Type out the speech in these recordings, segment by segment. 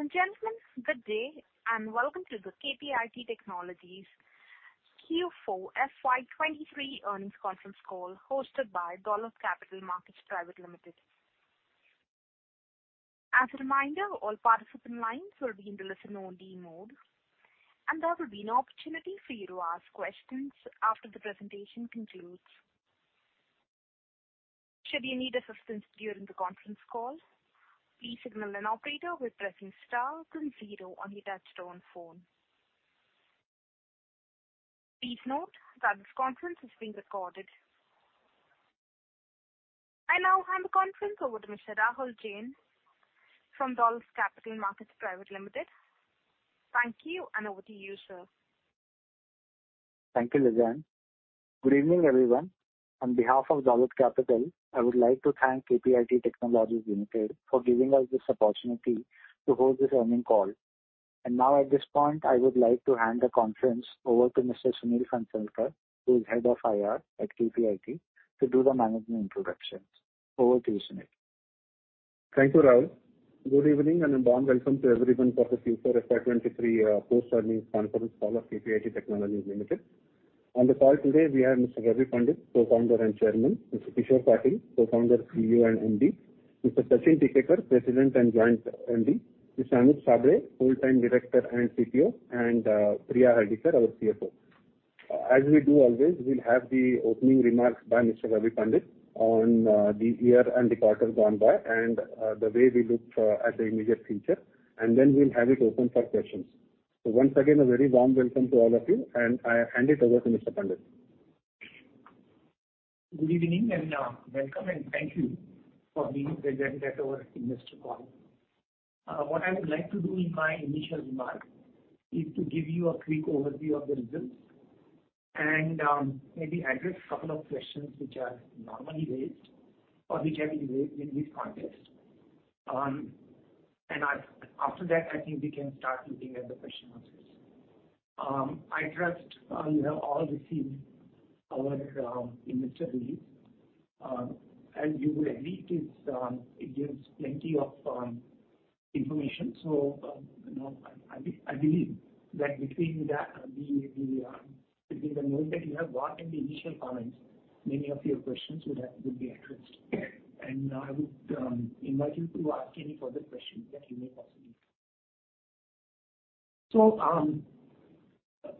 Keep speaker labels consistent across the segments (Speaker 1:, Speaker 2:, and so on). Speaker 1: Ladies and gentlemen, good day and welcome to the KPIT Technologies Q4 FY 2023 earnings conference call hosted by Dolat Capital Market Private Limited. As a reminder, all participant lines will be in the listen-only mode. There will be an opportunity for you to ask questions after the presentation concludes. Should you need assistance during the conference call, please signal an operator with pressing star then zero on your touchtone phone. Please note that this conference is being recorded. I now hand the conference over to Mr. Rahul Jain from Dolat Capital Market Private Limited. Thank you. Over to you, sir.
Speaker 2: Thank you, Lizanne. Good evening, everyone. On behalf of Dolat Capital, I would like to thank KPIT Technologies Limited for giving us this opportunity to hold this earning call. Now at this point, I would like to hand the conference over to Mr. Sunil Phansalkar, who is Head of IR at KPIT, to do the management introductions. Over to you, Sunil.
Speaker 3: Thank you, Rahul. Good evening, a warm welcome to everyone for the KPIT FY 2023 post-earnings conference call of KPIT Technologies Limited. On the call today we have Mr. Ravi Pandit, Co-founder and Chairman, Mr. Kishor Patil, Co-founder, CEO and MD, Mr. Sachin Tikekar, President and Joint MD, Mr. Anup Sable, Whole-Time Director and CPO, Priya Hardikar, our CFO. As we do always, we'll have the opening remarks by Mr. Ravi Pandit on the year and the quarter gone by, the way we look at the immediate future, then we'll have it open for questions. Once again, a very warm welcome to all of you, I hand it over to Mr. Pandit.
Speaker 4: Good evening, welcome and thank you for being present at our investor call. What I would like to do in my initial remarks is to give you a quick overview of the results and maybe address a couple of questions which are normally raised or which have been raised in this context. After that, I think we can start looking at the question answers. I trust you have all received our investor release. As you would agree, it's, it gives plenty of information. You know, I believe that between that, the, between the notes that you have got and the initial comments, many of your questions will be addressed. I would invite you to ask any further questions that you may possibly have.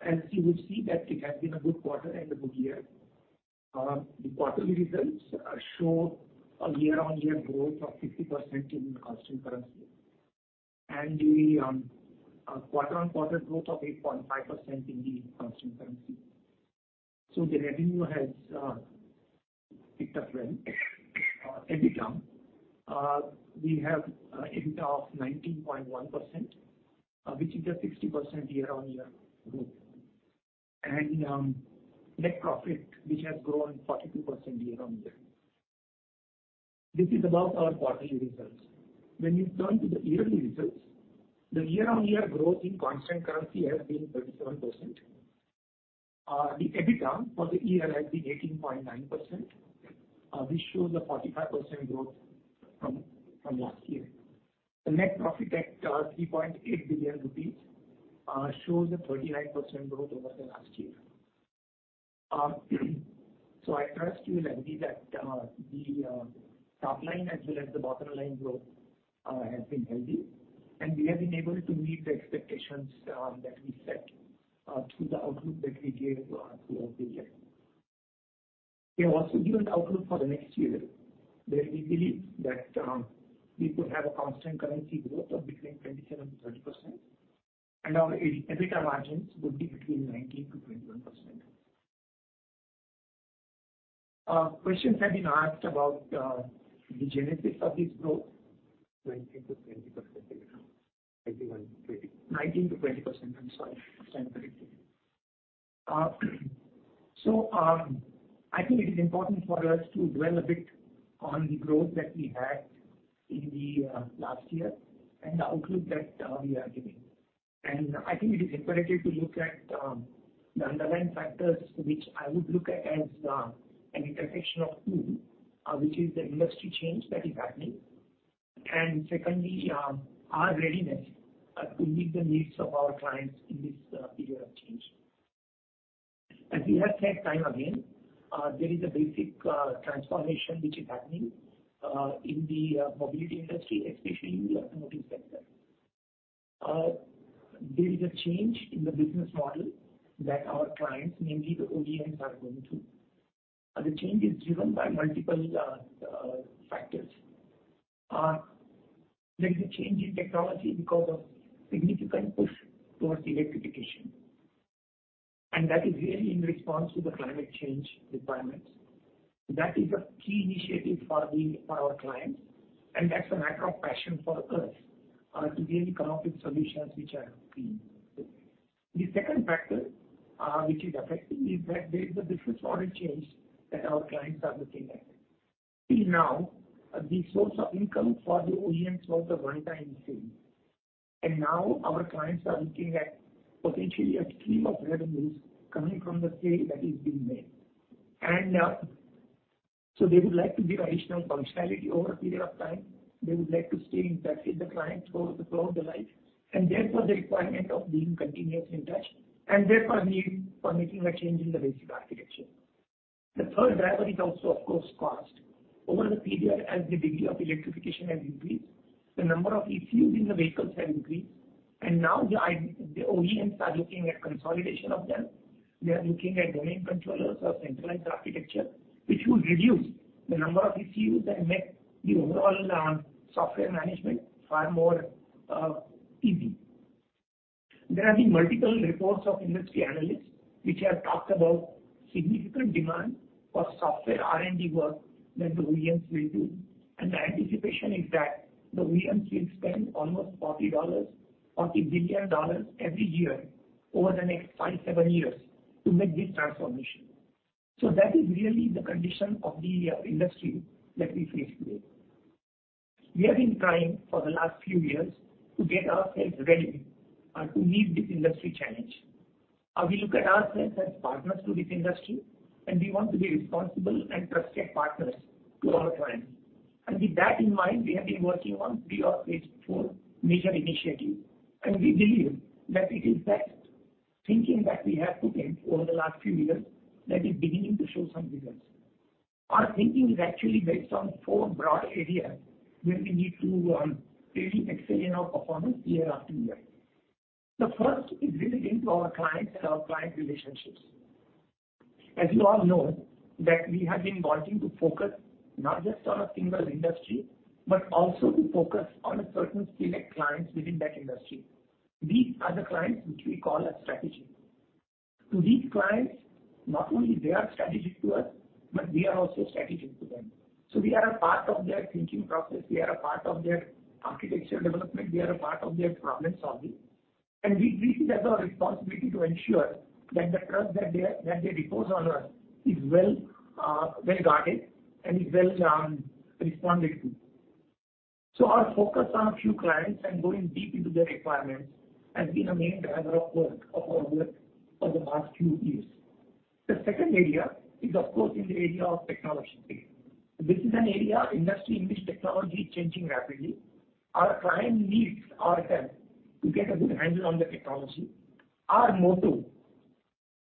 Speaker 4: As you would see that it has been a good quarter and a good year. The quarterly results show a year-on-year growth of 50% in constant currency. The quarter-on-quarter growth of 8.5% in the constant currency. The revenue has picked up well. EBITDA, we have a EBITDA of 19.1%, which is a 60% year-on-year growth. Net profit, which has grown 42% year-on-year. This is about our quarterly results. When you turn to the yearly results, the year-on-year growth in constant currency has been 37%. The EBITDA for the year has been 18.9%. This shows a 45% growth from last year. The net profit at 3.8 billion rupees shows a 39% growth over the last year. I trust you will agree that the top line as well as the bottom line growth has been healthy, and we have been able to meet the expectations that we set through the outlook that we gave throughout the year. We have also given the outlook for the next year, where we believe that we could have a constant currency growth of between 27%-30%, and our EBITDA margins would be between 19%-21%. Questions have been asked about the genesis of this growth.
Speaker 2: 19%-20% EBITDA. 19.20%.
Speaker 4: 19%-20%, I'm sorry. EBITDA. I think it is important for us to dwell a bit on the growth that we had in the last year and the outlook that we are giving. I think it is imperative to look at the underlying factors which I would look at as an intersection of two, which is the industry change that is happening, and secondly, our readiness to meet the needs of our clients in this period of change. As we have said time again, there is a basic transformation which is happening in the mobility industry, especially in the automotive sector. There is a change in the business model that our clients, namely the OEMs, are going through. The change is driven by multiple factors. There is a change in technology because of significant push towards electrification, that is really in response to the climate change requirements. That is a key initiative for our clients, and that's a matter of passion for us, to really come up with solutions which are green. The second factor, which is affecting is that there is a business model change that our clients are looking at. Till now, the source of income for the OEMs was the one-time sale, now our clients are looking at potentially a stream of revenues coming from the sale that is being made. They would like to give additional functionality over a period of time. They would like to stay in touch with the client through the life, therefore the requirement of being continuously in touch, and therefore need permitting a change in the basic architecture. The third driver is also, of course, cost. Over the period, as the degree of electrification has increased, the number of ECUs in the vehicles has increased, and now the OEMs are looking at consolidation of them. They are looking at domain controllers or centralized architecture, which will reduce the number of ECUs and make the overall software management far more easy. There have been multiple reports of industry analysts, which have talked about significant demand for software R&D work that the OEMs will do, and the anticipation is that the OEMs will spend almost $40, $40 billion every year over the next 5-7 years to make this transformation. That is really the condition of the industry that we face today. We have been trying for the last few years to get ourselves ready to meet this industry challenge. We look at ourselves as partners to this industry, and we want to be responsible and trusted partners to our clients. With that in mind, we have been working on three or four major initiatives, and we believe that it is best thinking that we have put in over the last few years that is beginning to show some results. Our thinking is actually based on four broad areas where we need to really excel in our performance year after year. The first is building into our clients and our client relationships. As you all know, that we have been wanting to focus not just on a single industry, but also to focus on a certain select clients within that industry. These are the clients which we call as strategic. To these clients, not only they are strategic to us, but we are also strategic to them. We are a part of their thinking process, we are a part of their architectural development, we are a part of their problem-solving, and we see that our responsibility to ensure that the trust that they, that they repose on us is well, well guarded and is well responded to. Our focus on a few clients and going deep into their requirements has been a main driver of work, of our work for the past few years. The second area is of course, in the area of technology. This is an area, industry in which technology is changing rapidly. Our client needs our help to get a good handle on the technology. Our motto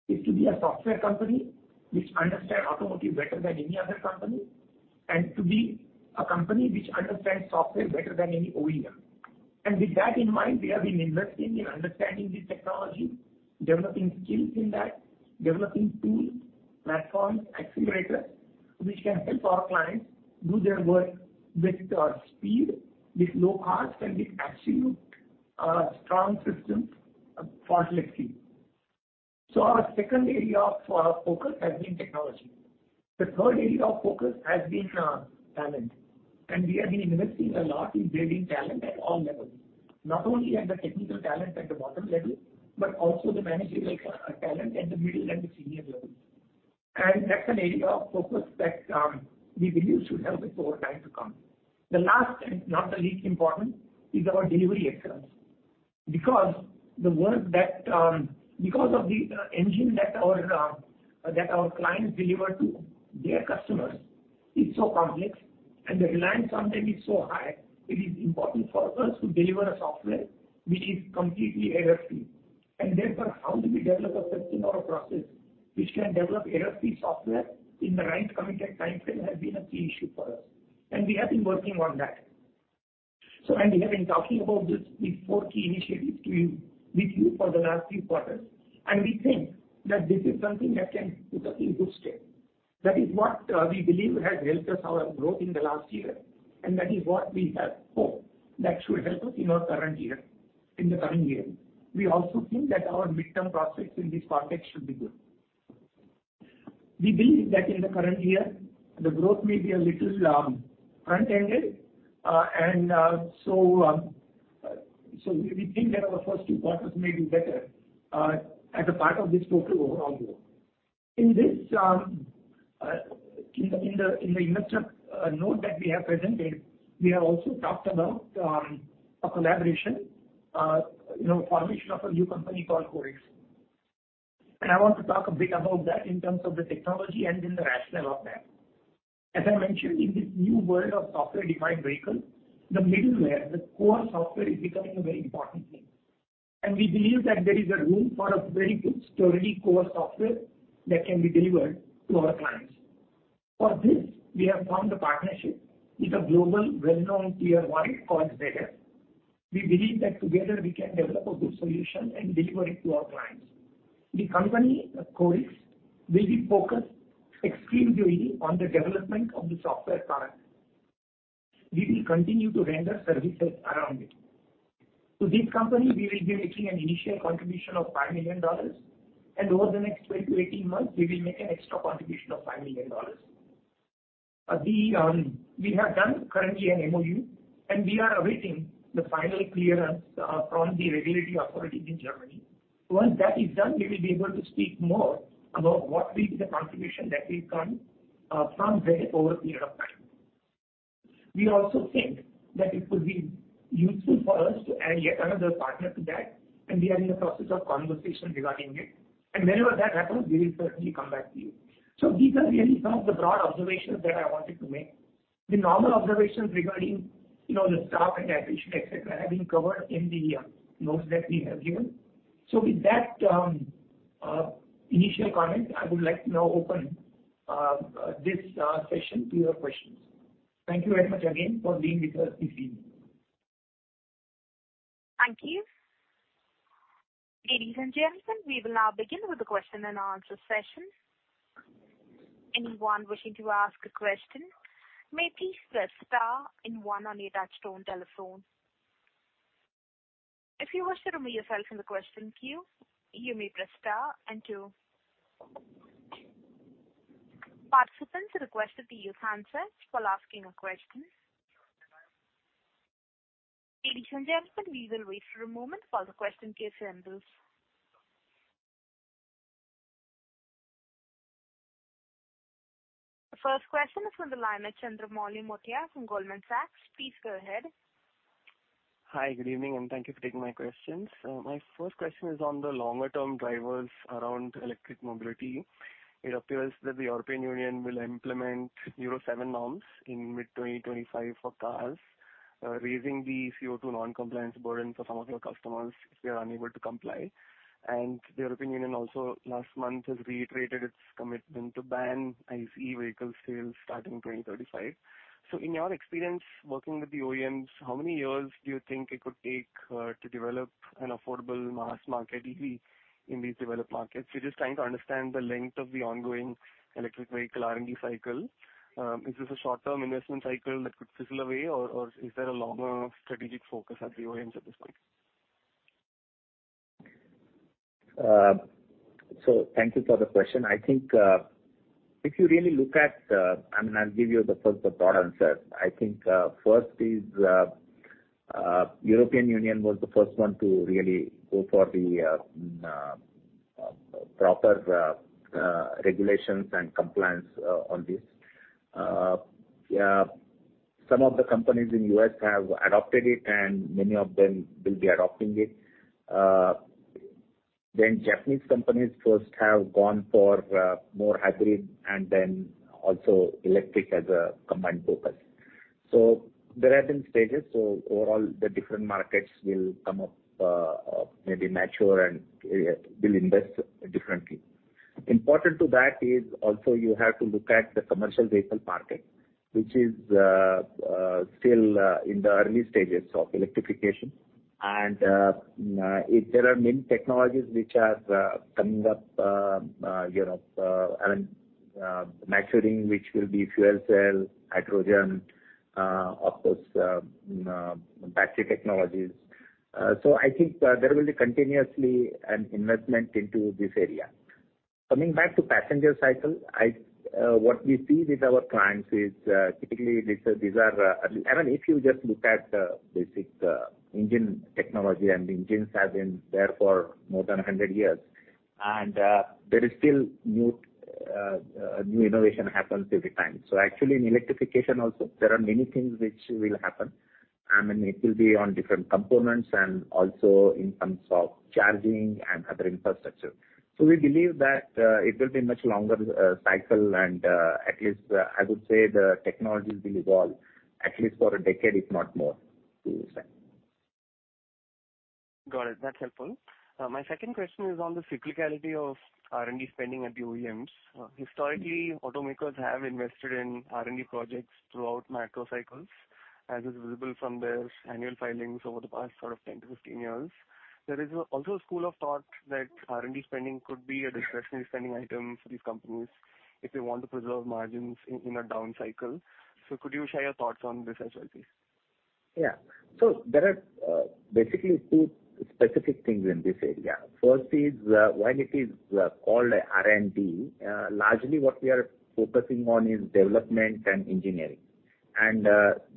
Speaker 4: is to be a software company which understand automotive better than any other company, and to be a company which understands software better than any OEM. With that in mind, we have been investing in understanding the technology, developing skills in that, developing tools, platforms, accelerators, which can help our clients do their work with speed, with low cost, and with absolute strong systems for legacy. Our second area of focus has been technology. The third area of focus has been talent. We have been investing a lot in building talent at all levels, not only at the technical talent at the bottom level, but also the managerial talent at the middle and the senior levels. That's an area of focus that we believe should help us over time to come. The last and not the least important is our delivery excellence, because the work that because of the engine that our clients deliver to their customers is so complex and the reliance on them is so high, it is important for us to deliver a software which is completely error-free. Therefore, how do we develop a system or a process which can develop error-free software in the right committed timeframe has been a key issue for us, and we have been working on that. We have been talking about this, these four key initiatives to you, with you for the last few quarters, and we think that this is something that can put us in good stead. That is what we believe has helped us our growth in the last year, that is what we have hope that should help us in our current year, in the coming year. We also think that our midterm prospects in this context should be good. We believe that in the current year, the growth may be a little front-ended. We think that our first two quarters may be better as a part of this total overall growth. In this investor note that we have presented, we have also talked about a collaboration, you know, formation of a new company called QORIX. I want to talk a bit about that in terms of the technology and in the rationale of that. As I mentioned, in this new world of software-defined vehicle, the middleware, the core software is becoming a very important thing. We believe that there is a room for a very good, sturdy core software that can be delivered to our clients. For this, we have formed a partnership with a global well-known Tier 1 called Valeo. We believe that together we can develop a good solution and deliver it to our clients. The company, QORIX, will be focused exclusively on the development of the software product. We will continue to render services around it. To this company, we will be making an initial contribution of $5 million, and over the next 12 to 18 months, we will make an extra contribution of $5 million. We have done currently an MOU, and we are awaiting the final clearance, from the regulatory authority in Germany. Once that is done, we will be able to speak more about what will be the contribution that will come, from Valeo over a period of time. We also think that it could be useful for us to add yet another partner to that. We are in the process of conversation regarding it. Whenever that happens, we will certainly come back to you. These are really some of the broad observations that I wanted to make. The normal observations regarding, you know, the stock and division, et cetera, have been covered in the notes that we have given. With that initial comment, I would like to now open this session to your questions. Thank you very much again for being with us this evening.
Speaker 1: Thank you. Ladies and gentlemen, we will now begin with the question and answer session. Anyone wishing to ask a question may please press star and one on your touchtone telephone. If you wish to remove yourself from the question queue, you may press star and two. Participants are requested to use handsets while asking a question. Ladies and gentlemen, we will wait for a moment while the question queue settles. The first question is from the line of Chandramouli Muthiah from Goldman Sachs. Please go ahead.
Speaker 5: Hi, good evening, and thank you for taking my questions. My first question is on the longer term drivers around electric mobility. It appears that the European Union will implement Euro 7 norms in mid 2025 for cars, raising the CO2 non-compliance burden for some of your customers if they are unable to comply. The European Union also last month has reiterated its commitment to ban ICE vehicle sales starting 2035. In your experience working with the OEMs, how many years do you think it could take to develop an affordable mass market EV in these developed markets? We're just trying to understand the length of the ongoing electric vehicle R&D cycle. Is this a short-term investment cycle that could sizzle away or is there a longer strategic focus at the OEMs at this point?
Speaker 6: Thank you for the question. I think, if you really look at, I mean, I'll give you the first the broad answer. I think, first is, European Union was the first one to really go for the proper regulations and compliance on this. Yeah, some of the companies in U.S. have adopted it, and many of them will be adopting it. Japanese companies first have gone for more hybrid and then also electric as a combined purpose. There have been stages. Overall the different markets will come up, maybe mature and will invest differently. Important to that is also you have to look at the commercial vehicle market, which is still in the early stages of electrification. There are many technologies which are coming up, you know, I mean, maturing, which will be fuel cell, hydrogen, of course, battery technologies. I think there will be continuously an investment into this area. Coming back to passenger cycle, what we see with our clients is, typically these are, I mean, if you just look at basic engine technology and engines have been there for more than 100 years, and there is still new innovation happens every time. Actually in electrification also, there are many things which will happen. I mean, it will be on different components and also in terms of charging and other infrastructure. We believe that it will be much longer cycle and at least I would say the technology will evolve at least for a decade, if not more, to say.
Speaker 5: Got it. That's helpful. My second question is on the cyclicality of R&D spending at the OEMs. Historically, automakers have invested in R&D projects throughout macro cycles, as is visible from their annual filings over the past sort of 10-15 years. There is also a school of thought that R&D spending could be a discretionary spending item for these companies if they want to preserve margins in a down cycle. Could you share your thoughts on this as well, please?
Speaker 6: Yeah. There are basically two specific things in this area. First is, while it is called a R&D, largely what we are focusing on is development and engineering.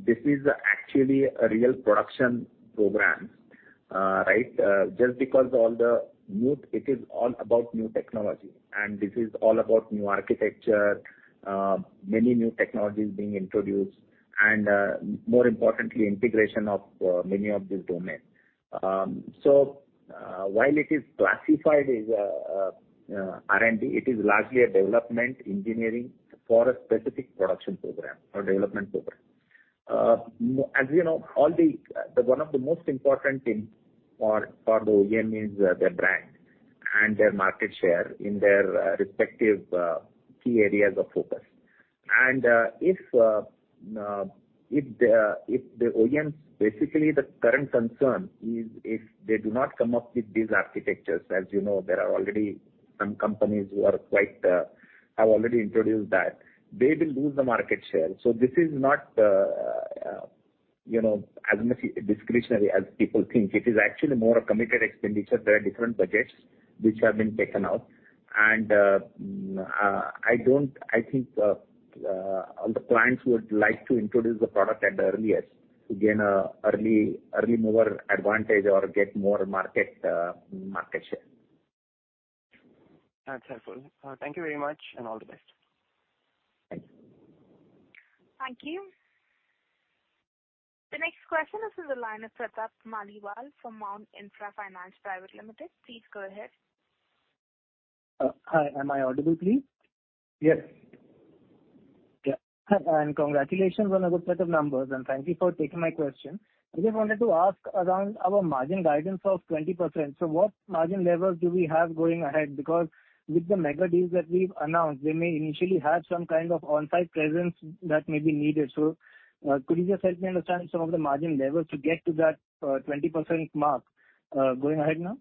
Speaker 6: This is actually a real production program, right? Just because It is all about new technology, and this is all about new architecture, many new technologies being introduced and, more importantly, integration of many of these domains. While it is classified as R&D, it is largely a development engineering for a specific production program or development program. As you know, all the one of the most important thing for the OEM is their brand and their market share in their respective key areas of focus. If the OEMs, basically the current concern is if they do not come up with these architectures, as you know, there are already some companies who are quite have already introduced that, they will lose the market share. This is not, you know, as much discretionary as people think. It is actually more a committed expenditure. There are different budgets which have been taken out. I don't think all the clients would like to introduce the product at the earliest to gain an early mover advantage or get more market share.
Speaker 7: That's helpful. Thank you very much, and all the best.
Speaker 6: Thank you.
Speaker 1: Thank you. The next question is in the line of Pratap Maliwal from Mount Intra Finance Private Limited. Please go ahead.
Speaker 8: Hi. Am I audible, please?
Speaker 6: Yes.
Speaker 8: Yeah. Congratulations on a good set of numbers, and thank you for taking my question. I just wanted to ask around our margin guidance of 20%. What margin levels do we have going ahead? Because with the mega deals that we've announced, we may initially have some kind of on-site presence that may be needed. Could you just help me understand some of the margin levels to get to that 20% mark going ahead now?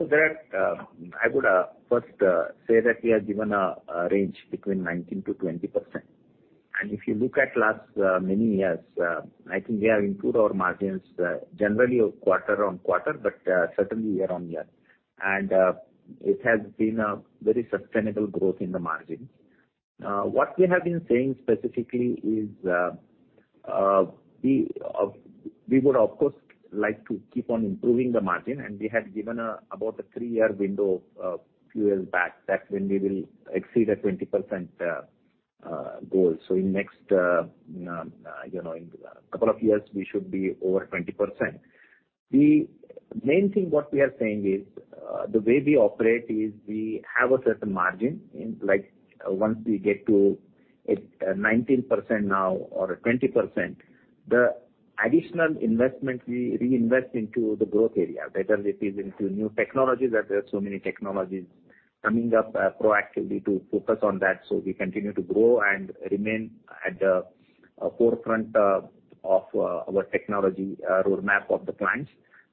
Speaker 6: I would first say that we have given a range between 19%-20%. If you look at last many years, I think we have improved our margins generally quarter-on-quarter but certainly year-on-year. It has been a very sustainable growth in the margin. What we have been saying specifically is, we would, of course, like to keep on improving the margin, and we had given about a 3-year window of QL back that when we will exceed a 20% goal. In next, you know, in couple of years, we should be over 20%. The main thing what we are saying is, the way we operate is we have a certain margin in, like, once we get to it 19% now or 20%, the additional investment we reinvest into the growth area. Whether it is into new technologies, that there are so many technologies coming up, proactively to focus on that, so we continue to grow and remain at the forefront of, our technology, roadmap of the plans.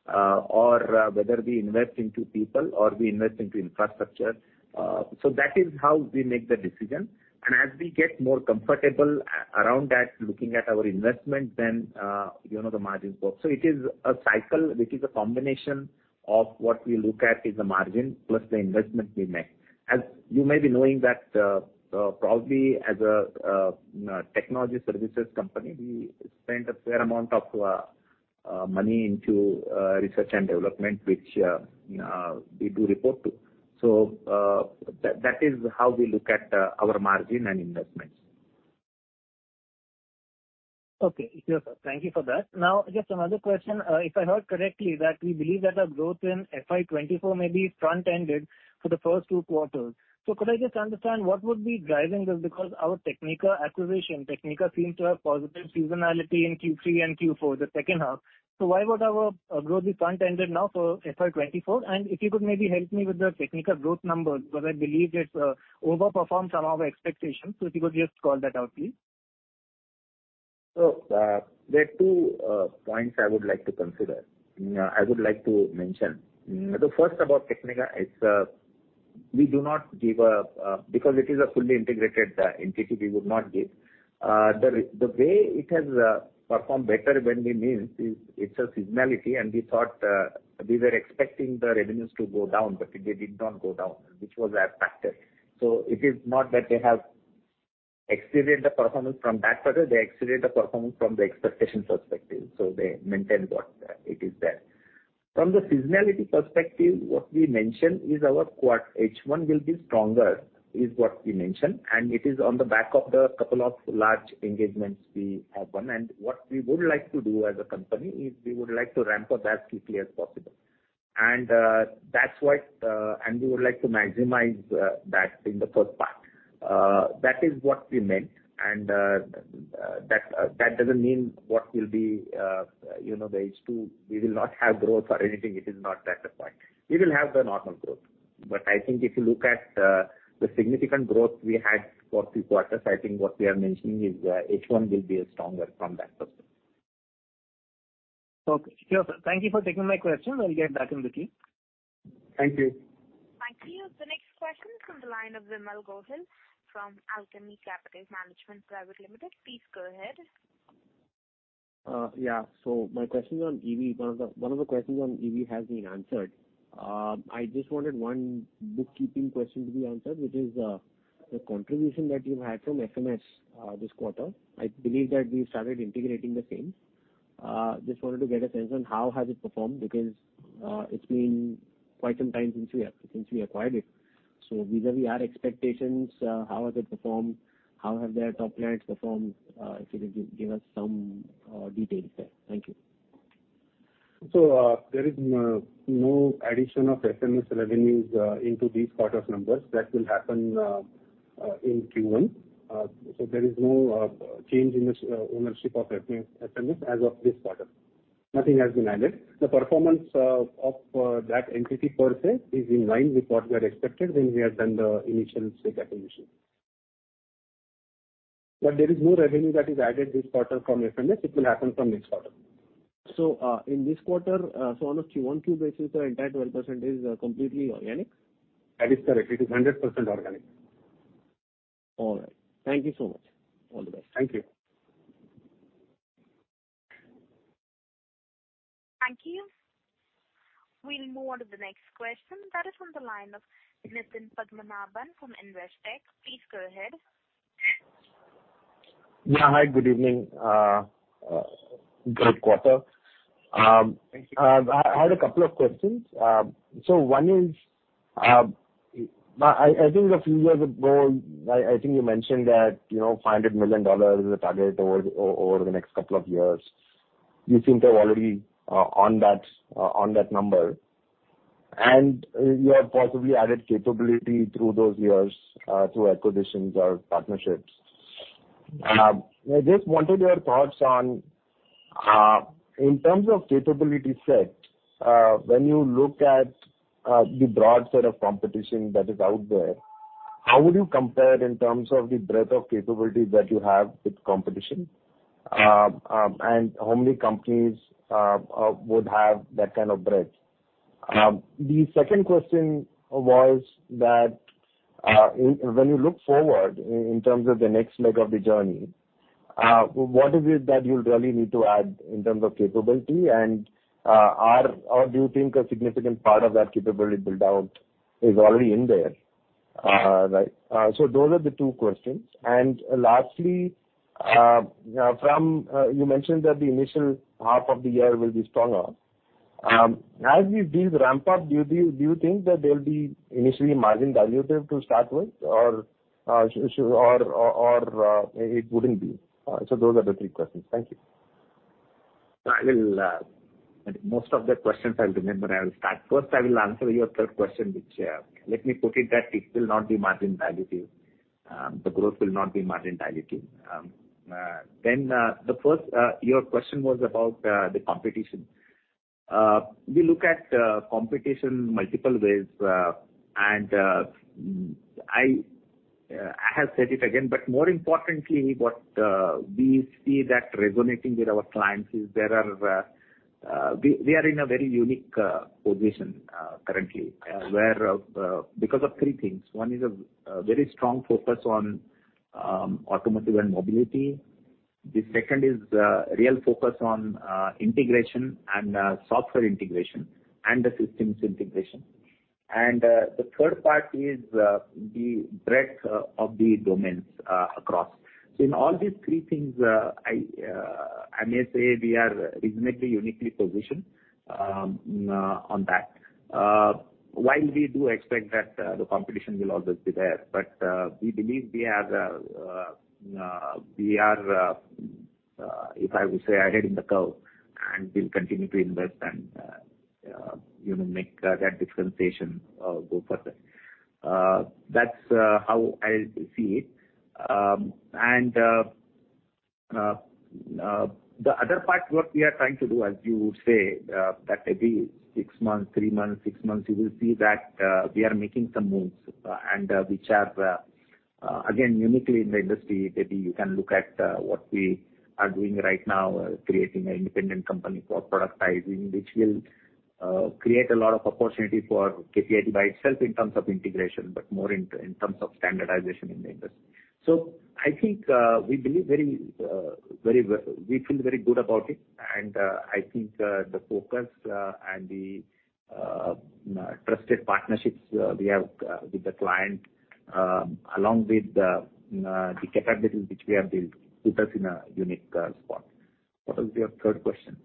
Speaker 6: Whether we invest into people or we invest into infrastructure. That is how we make the decision. As we get more comfortable around that, looking at our investment, then, you know, the margins grow. It is a cycle. It is a combination of what we look at is the margin, plus the investment we make. As you may be knowing that, probably as a technology services company, we spend a fair amount of money into research and development, which we do report to. That is how we look at our margin and investments.
Speaker 8: Okay. Sure, sir. Thank you for that. Just another question. If I heard correctly that we believe that our growth in FY 2024 may be front-ended for the first two quarters. Could I just understand what would be driving this? Our Technica acquisition, Technica seems to have positive seasonality in Q3 and Q4, the second half. Why would our growth be front-ended now for FY 2024? If you could maybe help me with the Technica growth numbers, because I believe it overperformed some of our expectations. If you could just call that out, please.
Speaker 6: There are two points I would like to consider. I would like to mention. The first about Technica is, we do not give. Because it is a fully integrated entity, we would not give. The way it has performed better when we means is it's a seasonality, and we thought we were expecting the revenues to go down, but they did not go down, which was a factor. It is not that they have exceeded the performance from that quarter. They exceeded the performance from the expectation perspective. They maintained what it is there. From the seasonality perspective, what we mentioned is our quad H1 will be stronger, is what we mentioned, and it is on the back of the couple of large engagements we have won. What we would like to do as a company is we would like to ramp up as quickly as possible. That's why, and we would like to maximize that in the first part. That is what we meant and that doesn't mean what will be, you know, the H2. We will not have growth or anything. It is not that the point. We will have the normal growth. I think if you look at the significant growth we had for three quarters, I think what we are mentioning is H1 will be a stronger from that perspective.
Speaker 8: Okay. Sure, sir. Thank you for taking my questions. I'll get back in the queue.
Speaker 6: Thank you.
Speaker 1: Thank you. The next question is from the line of Vimal Gohil from Alchemy Capital Management Private Limited. Please go ahead.
Speaker 7: Yeah. My question is on EV. One of the questions on EV has been answered. I just wanted one bookkeeping question to be answered, which is the contribution that you had from FMS this quarter. I believe that we started integrating the same. Just wanted to get a sense on how has it performed because it's been quite some time since we have, since we acquired it. Vis-a-vis our expectations, how has it performed? How have their top lines performed? If you could give us some details there. Thank you.
Speaker 6: There is no addition of FMS revenues into these quarters numbers. That will happen in Q1. There is no change in this ownership of FMS as of this quarter. Nothing has been added. The performance of that entity per se is in line with what we had expected when we had done the initial state acquisition. There is no revenue that is added this quarter from FMS. It will happen from next quarter.
Speaker 7: In this quarter, on a Q1, Q basis, the entire 12% is completely organic?
Speaker 6: That is correct. It is 100% organic.
Speaker 7: All right. Thank you so much. All the best.
Speaker 6: Thank you.
Speaker 1: Thank you. We'll move on to the next question. That is on the line of Nitin Padmanabhan from Investec. Please go ahead.
Speaker 9: Yeah. Hi, good evening. great quarter.
Speaker 6: Thank you.
Speaker 9: I had a couple of questions. One is, I think a few years ago, I think you mentioned that, you know, $500 million is the target over the next couple of years. You think you're already on that on that number. You have possibly added capability through those years through acquisitions or partnerships. I just wanted your thoughts on in terms of capability set when you look at the broad set of competition that is out there, how would you compare in terms of the breadth of capabilities that you have with competition? How many companies would have that kind of breadth? The second question was that, when you look forward in terms of the next leg of the journey, what is it that you'll really need to add in terms of capability? Or do you think a significant part of that capability build-out is already in there? Those are the two questions. Lastly, from, you mentioned that the initial half of the year will be stronger. As these deals ramp up, do you think that they'll be initially margin dilutive to start with or, it wouldn't be? Those are the three questions. Thank you.
Speaker 6: I will. Most of the questions I'll remember. I will start. First, I will answer your third question, which, let me put it that it will not be margin dilutive. The growth will not be margin dilutive. The first, your question was about the competition. We look at competition multiple ways. I have said it again, but more importantly, what we see that resonating with our clients is there are, we are in a very unique position currently, where because of three things. One is a very strong focus on automotive and mobility. The second is real focus on integration and software integration and the systems integration. The third part is the breadth of the domains across. In all these three things, I may say we are reasonably uniquely positioned on that. While we do expect that the competition will always be there, but we believe we are, if I would say, ahead in the curve, and we'll continue to invest and, you know, make that differentiation go further. That's how I see it. The other part, what we are trying to do as you say, that maybe six months, three months, six months, you will see that we are making some moves, and which are, again, uniquely in the industry. Maybe you can look at what we are doing right now, creating an independent company for productizing, which will create a lot of opportunity for KPIT by itself in terms of integration, but more in terms of standardization in the industry. I think, we believe very, very well. We feel very good about it. I think, the focus and the trusted partnerships we have with the client along with the capabilities which we have built puts us in a unique spot. What was your third question?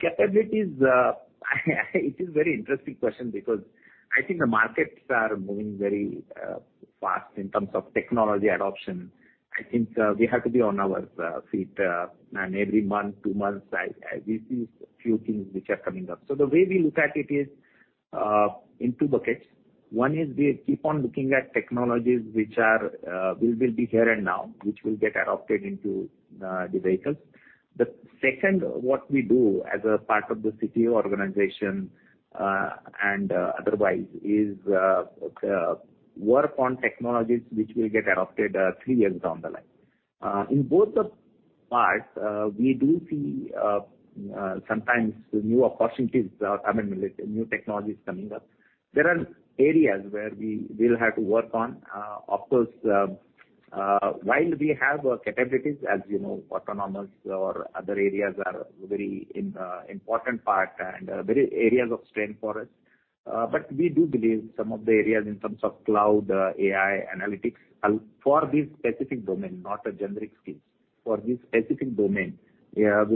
Speaker 6: Capabilities, it is very interesting question because I think the markets are moving very, fast in terms of technology adoption. I think we have to be on our feet, and every month, two months, we see few things which are coming up. The way we look at it is in two buckets. One is we keep on looking at technologies which will be here and now, which will get adopted into the vehicles. The second, what we do as a part of the CTO organization, and otherwise is work on technologies which will get adopted three years down the line. In both the parts, we do see sometimes new opportunities, I mean, new technologies coming up. There are areas where we will have to work on. Down the phrase "fuel cell electric vehicle" and how it's typically abbreviated. 1. **Fuel Cell Electric Vehicle (FCEV):** This is the full, correct term for a vehicle that uses a fuel cell to generate electricity, which then powers an electric motor. 2. **Electric Vehicle (EV):** This is a broader term for any vehicle that uses an electric motor for propulsion. It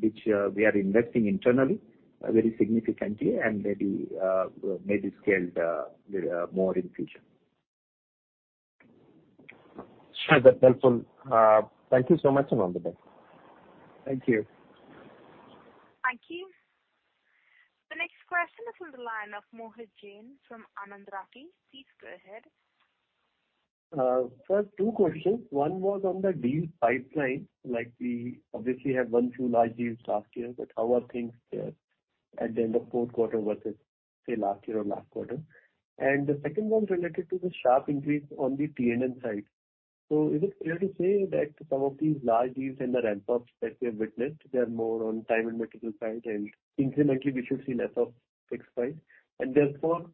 Speaker 6: encompasses: * **Battery Electric Vehicles (BEVs):** These run solely on batteries. (e.g., Tesla, most current EVs) * **Plug-in Hybrid Electric Vehicles (PHEVs):** These have both an electric motor/battery and a gasoline engine, and can be plugged in
Speaker 10: Is it fair to say that some of these large deals and the ramp-ups that we have witnessed, they're more on time and material side, and incrementally we should see less of fixed price, therefore,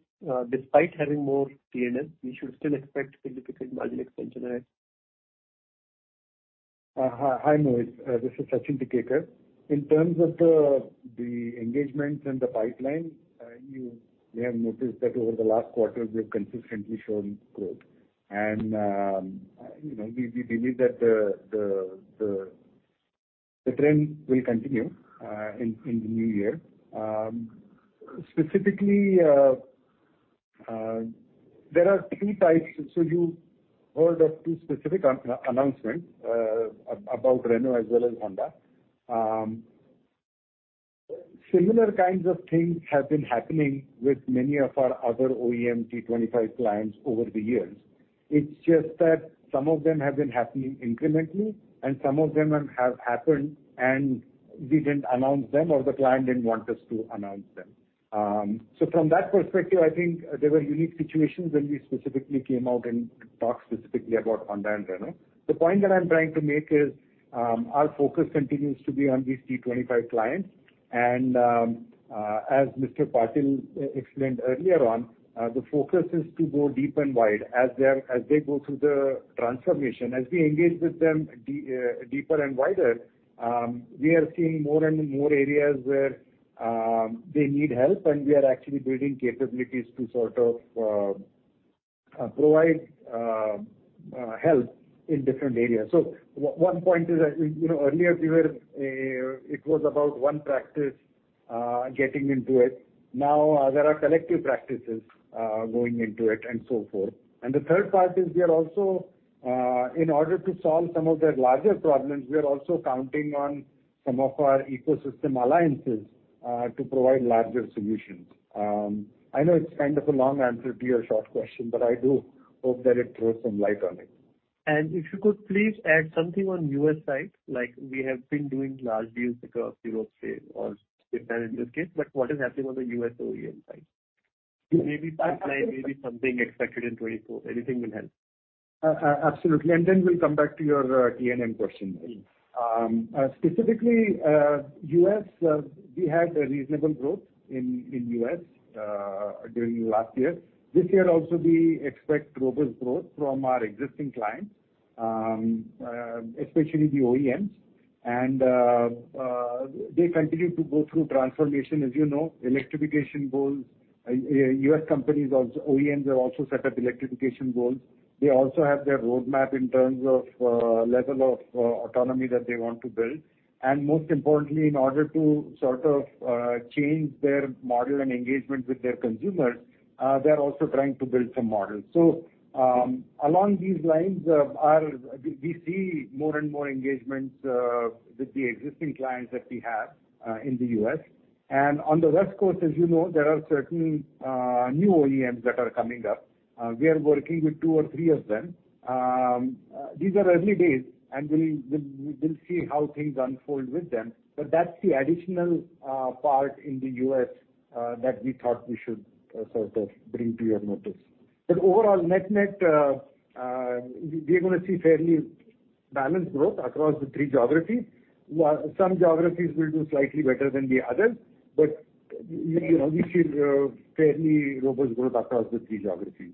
Speaker 10: despite having more PNL, we should still expect significant margin expansion, right?
Speaker 11: Hi, hi Mohit Jain. This is Sachin Tikekar. In terms of the engagements and the pipeline, you have noticed that over the last quarter we have consistently shown growth. You know, we believe that the trend will continue in the new year. Specifically, there are three types. You heard of two specific announcements about Renault as well as Honda. Similar kinds of things have been happening with many of our other OEM T25 clients over the years. It's just that some of them have been happening incrementally, and some of them have happened and we didn't announce them or the client didn't want us to announce them. From that perspective, I think there were unique situations when we specifically came out and talked specifically about Honda and Renault. The point that I'm trying to make is, our focus continues to be on these T25 clients. As Mr. Patil explained earlier on, the focus is to go deep and wide as they go through the transformation. As we engage with them deeper and wider, we are seeing more and more areas where, they need help, and we are actually building capabilities to sort of, provide, help in different areas. One point is that, you know, earlier we were, it was about one practice, getting into it. Now there are collective practices, going into it and so forth. The third part is we are also, in order to solve some of their larger problems, we are also counting on some of our ecosystem alliances, to provide larger solutions. I know it's kind of a long answer to your short question, but I do hope that it throws some light on it.
Speaker 10: If you could please add something on U.S. side, like we have been doing large deals across Europe, say, or Japan in this case, but what is happening on the U.S. OEM side? Maybe pipeline, maybe something expected in 2024. Anything will help.
Speaker 11: Absolutely. Then we'll come back to your T&M question. Specifically, U.S., we had a reasonable growth in U.S. during last year. This year also, we expect robust growth from our existing clients, especially the OEMs. They continue to go through transformation, as you know, electrification goals. U.S. companies, also OEMs have also set up electrification goals. They also have their roadmap in terms of level of autonomy that they want to build. Most importantly, in order to sort of change their model and engagement with their consumers, they're also trying to build some models. Along these lines, we see more and more engagements with the existing clients that we have in the U.S. On the West Coast, as you know, there are certain new OEMs that are coming up. We are working with two or three of them. These are early days, and we'll see how things unfold with them. That's the additional part in the U.S. that we thought we should sort of bring to your notice. Overall, net-net, we are gonna see fairly balanced growth across the three geographies. Some geographies will do slightly better than the others, but you know, we see fairly robust growth across the three geographies.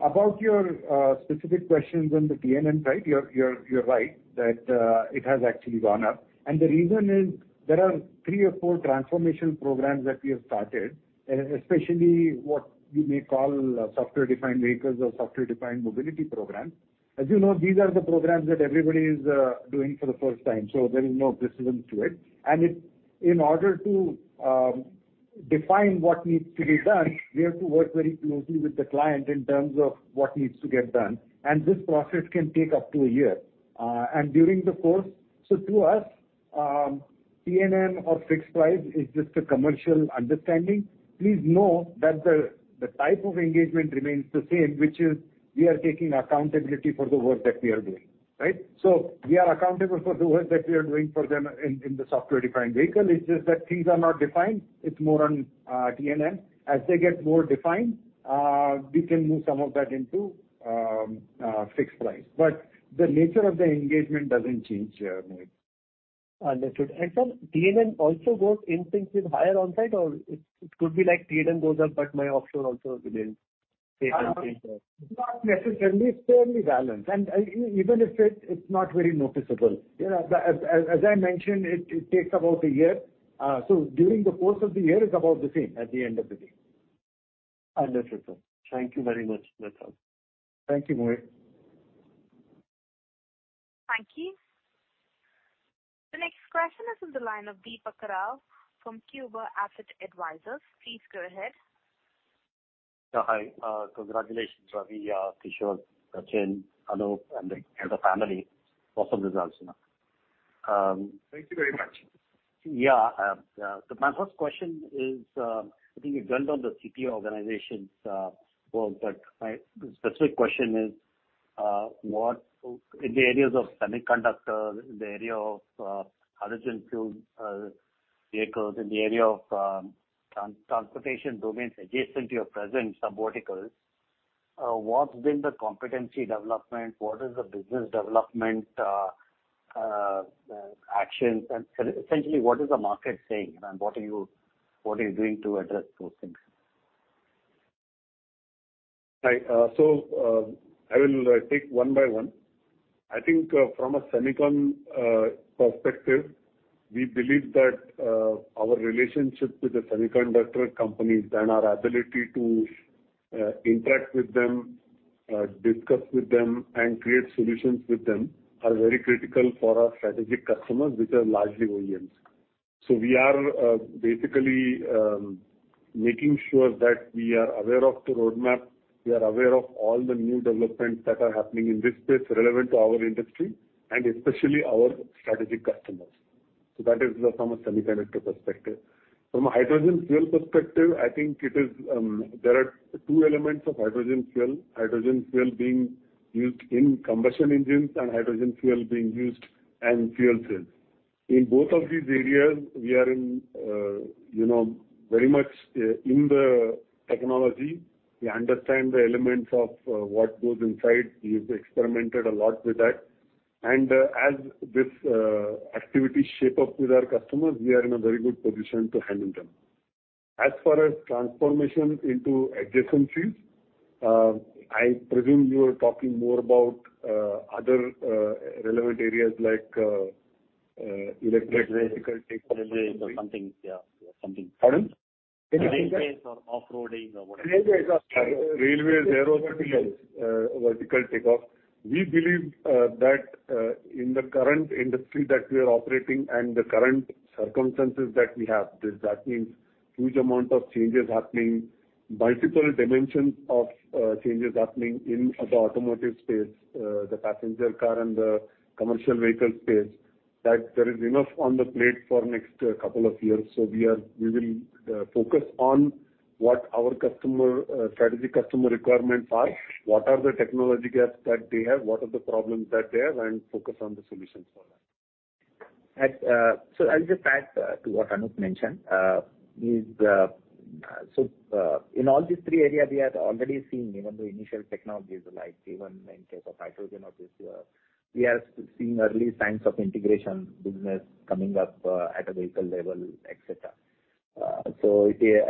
Speaker 11: About your specific questions on the T&M side, you're right that it has actually gone up. The reason is there are three or four transformation programs that we have started, especially what we may call software-defined vehicles or software-defined mobility programs. As you know, these are the programs that everybody is doing for the first time, so there is no precedent to it. In order to define what needs to be done, we have to work very closely with the client in terms of what needs to get done. This process can take up to one year. To us, T&M or fixed price is just a commercial understanding. Please know that the type of engagement remains the same, which is we are taking accountability for the work that we are doing, right? We are accountable for the work that we are doing for them in the software-defined vehicle. It's just that things are not defined. It's more on T&M. As they get more defined, we can move some of that into fixed price. The nature of the engagement doesn't change, Mohit.
Speaker 10: Understood. Sir, T&M also grows in sync with higher onsite, or it could be like T&M goes up, but my offshore also remains stable-
Speaker 11: Not necessarily. It's fairly balanced. Even if it's not very noticeable. You know, as I mentioned, it takes about a year. During the course of the year, it's about the same at the end of the day.
Speaker 10: Understood, sir. Thank you very much, Sachin.
Speaker 11: Thank you, Mohit.
Speaker 1: Thank you. The next question is on the line of Deepak Rao from Qber Asset Advisors. Please go ahead.
Speaker 12: Yeah, hi. Congratulations, Ravi, Kishor, Sachin, Anup and the family. Awesome results.
Speaker 11: Thank you very much.
Speaker 12: Yeah. My first question is, I think you've done on the CTO organization's work, but my specific question is, in the areas of semiconductors, in the area of hydrogen fuel vehicles, in the area of transportation domains adjacent to your present subverticals, what's been the competency development? What is the business development actions? Essentially, what is the market saying, and what are you doing to address those things?
Speaker 3: Hi. So, I will take one by one. I think, from a semicon perspective, we believe that our relationship with the semiconductor companies and our ability to interact with them, discuss with them, and create solutions with them are very critical for our strategic customers, which are largely OEMs. We are basically making sure that we are aware of the roadmap, we are aware of all the new developments that are happening in this space relevant to our industry, and especially our strategic customers. That is from a semiconductor perspective. From a hydrogen fuel perspective, I think it is. There are two elements of hydrogen fuel. Hydrogen fuel being used in combustion engines and hydrogen fuel being used in fuel cells. In both of these areas, we are in, you know, very much, in the technology. We understand the elements of, what goes inside. We've experimented a lot with that. As this, activity shape up with our customers, we are in a very good position to handle them. As far as transformations into adjacent fields, I presume you are talking more about, other, relevant areas like, electric vehicle.
Speaker 6: Railways or something, yeah. Something.
Speaker 13: Pardon?
Speaker 6: Railways or off-roading or whatever.
Speaker 13: Railways, absolutely. Railways, aerotaxis, vertical takeoff. We believe that in the current industry that we are operating and the current circumstances that we have, that means huge amount of changes happening, multiple dimensions of changes happening in the automotive space, the passenger car and the commercial vehicle space, that there is enough on the plate for next couple of years. We will focus on what our customer, strategic customer requirements are, what are the technology gaps that they have, what are the problems that they have, and focus on the solutions for that.
Speaker 6: I'll just add to what Anup mentioned. In all these three areas we have already seen even the initial technologies, like even in case of hydrogen, obviously, we are seeing early signs of integration business coming up at a vehicle level, et cetera.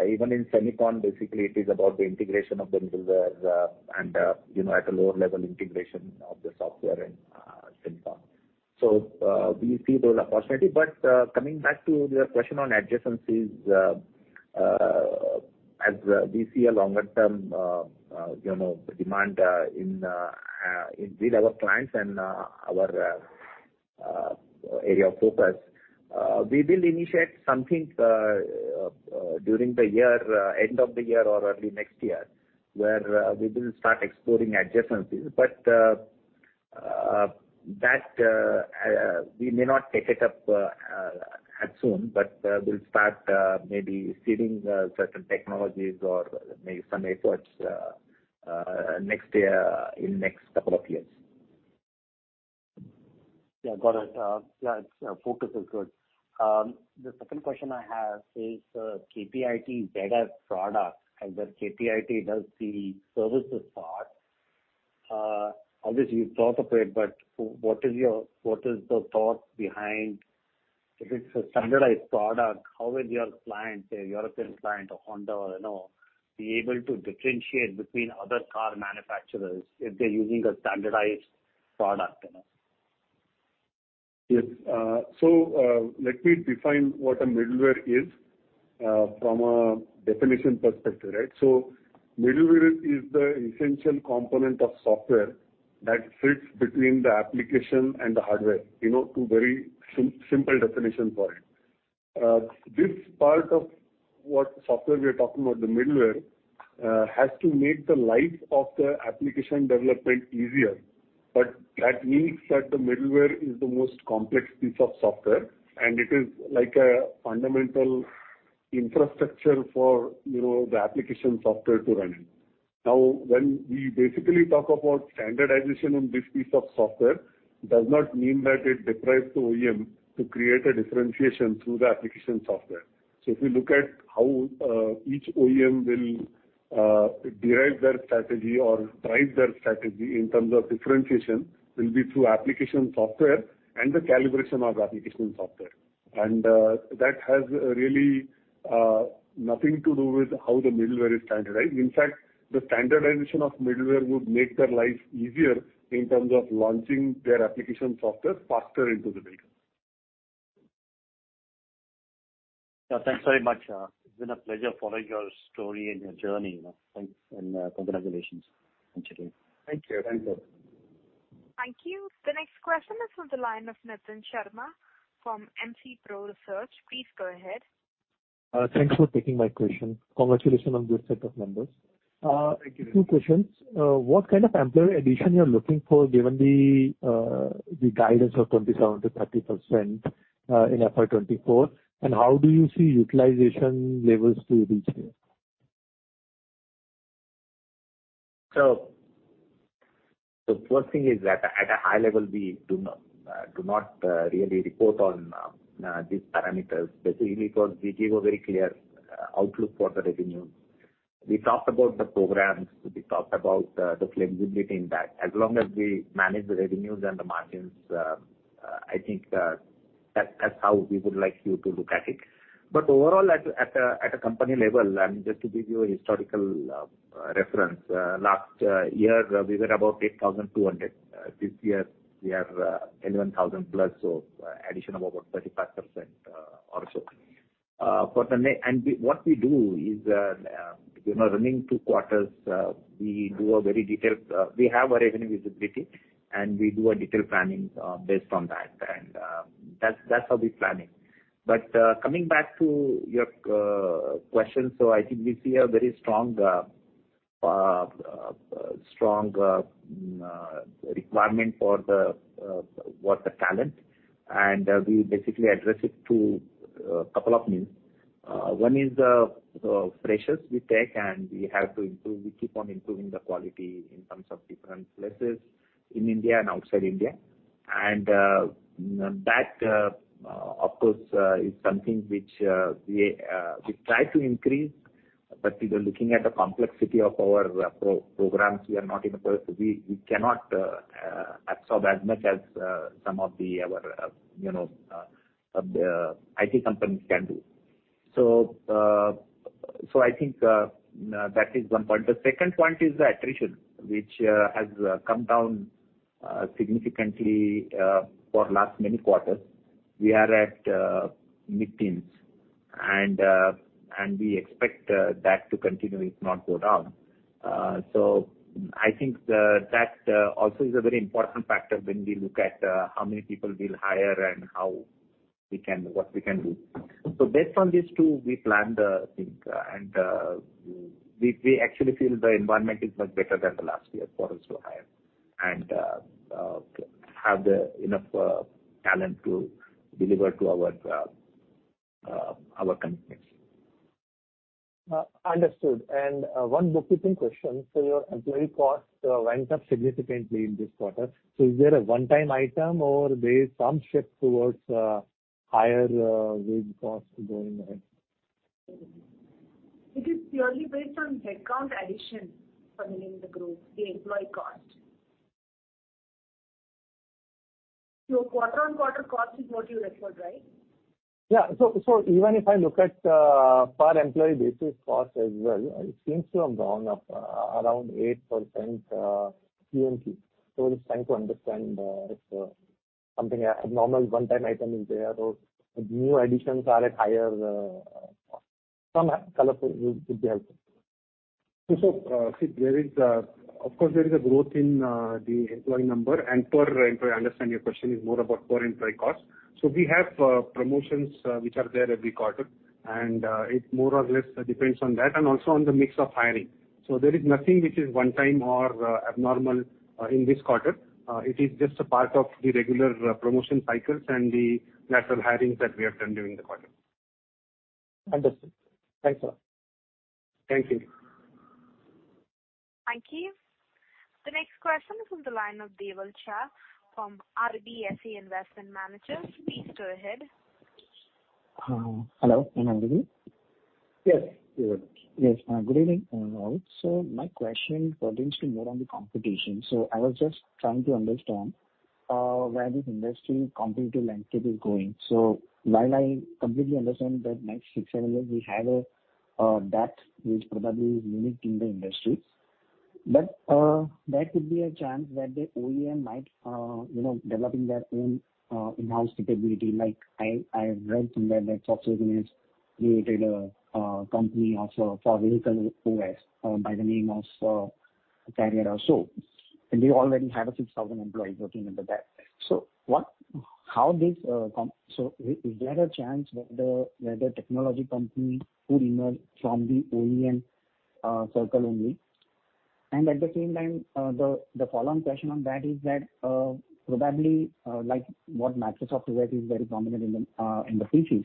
Speaker 6: Even in semicon, basically it is about the integration of the middlewares, and, you know, at a lower level integration of the software and semicon. We see those opportunity. Coming back to your question on adjacencies, as we see a longer term, you know, demand in with our clients and our area of focus, we will initiate something during the year, end of the year or early next year, where we will start exploring adjacencies. That we may not take it up as soon, but we'll start maybe seeding certain technologies or maybe some efforts next year in next couple of years.
Speaker 12: Yeah, got it. Yeah, its focus is good. The second question I have is, KPIT data products and where KPIT does the services part, obviously you thought of it, but what is the thought behind if it's a standardized product, how will your client, say, European client or Honda or, you know, be able to differentiate between other car manufacturers if they're using a standardized product? You know. Yes. Let me define what a middleware is from a definition perspective, right? Middleware is the essential component of software that sits between the application and the hardware. You know, two very simple definition for it. This part of what software we are talking about, the middleware, has to make the life of the application development easier.
Speaker 3: That means that the middleware is the most complex piece of software, and it is like a fundamental infrastructure for, you know, the application software to run in. When we basically talk about standardization in this piece of software, does not mean that it deprives the OEM to create a differentiation through the application software. If you look at how each OEM will derive their strategy or drive their strategy in terms of differentiation will be through application software and the calibration of the application software. That has really nothing to do with how the middleware is standardized. In fact, the standardization of middleware would make their life easier in terms of launching their application software faster into the vehicle.
Speaker 12: Yeah. Thanks very much. It's been a pleasure following your story and your journey, you know. Thanks, congratulations once again.
Speaker 3: Thank you.
Speaker 6: Thank you.
Speaker 1: Thank you. The next question is on the line of Nitin Sharma from MCPro Research. Please go ahead.
Speaker 14: Thanks for taking my question. Congratulations on good set of numbers.
Speaker 3: Thank you.
Speaker 14: Two questions. What kind of employee addition you're looking for given the guidance of 27%-30% in FY 2024? How do you see utilization levels to reach there?
Speaker 6: The first thing is at a high level, we do not really report on these parameters, basically because we give a very clear outlook for the revenue. We talked about the programs, we talked about the flexibility in that. As long as we manage the revenues and the margins, I think that's how we would like you to look at it. Overall at a company level, and just to give you a historical reference, last year we were about 8,200. This year we are 11,000+, so addition of about 35% or so. We, what we do is, you know, running two quarters, we do a very detailed, we have our revenue visibility, and we do a detailed planning, based on that. That's, that's how we planning. Coming back to your question, I think we see a very strong requirement for the what the talent, we basically address it through a couple of means. One is, freshers we take, and we have to improve, we keep on improving the quality in terms of different places in India and outside India. That, of course, is something which we try to increase, we were looking at the complexity of our programs. We are not in a position to we cannot absorb as much as some of our, you know, IT companies can do. I think that is one point. The second point is the attrition, which has come down significantly for last many quarters. We are at mid-teens and we expect that to continue, if not go down. I think that also is a very important factor when we look at how many people we'll hire and how we can, what we can do. Based on these two, we plan the thing, and we actually feel the environment is much better than the last year for us to hire and have enough talent to deliver to our commitments.
Speaker 14: Understood. One bookkeeping question. Your employee costs went up significantly in this quarter. Is there a one-time item or there is some shift towards higher wage costs going ahead?
Speaker 15: It is purely based on headcount addition for running the group, the employee cost. quarter-on-quarter cost is what you referred, right?
Speaker 14: Even if I look at per employee basis cost as well, it seems to have gone up around 8% QMP. Just trying to understand if something abnormal one-time item is there or if new additions are at higher cost. Some color would be helpful.
Speaker 6: Sid there is, of course there is a growth in the employee number and per employee. I understand your question is more about per employee cost. We have promotions which are there every quarter, and it more or less depends on that and also on the mix of hiring. There is nothing which is one time or abnormal in this quarter. It is just a part of the regular promotion cycles and the lateral hirings that we have done during the quarter.
Speaker 14: Understood. Thanks a lot.
Speaker 6: Thank you.
Speaker 1: Thank you. The next question is from the line of Deval Shah from RBSA Investment Managers. Please go ahead.
Speaker 16: Hello. Can you hear me?
Speaker 6: Yes, we hear.
Speaker 16: Yes. Good evening, everyone. My question pertains to more on the competition. I was just trying to understand where this industry competitive landscape is going. While I completely understand that next six, seven years we have a debt which probably is unique in the industry. There could be a chance where the OEM might, you know, developing their own in-house capability. Like, I read somewhere that Volkswagen has created a company also for vehicle OS by the name of CARIAD also. They already have a 6,000 employees working under that. Is there a chance where the technology company could emerge from the OEM circle only? At the same time, the follow-on question on that is that, probably, like what Microsoft OS is very dominant in the PCs.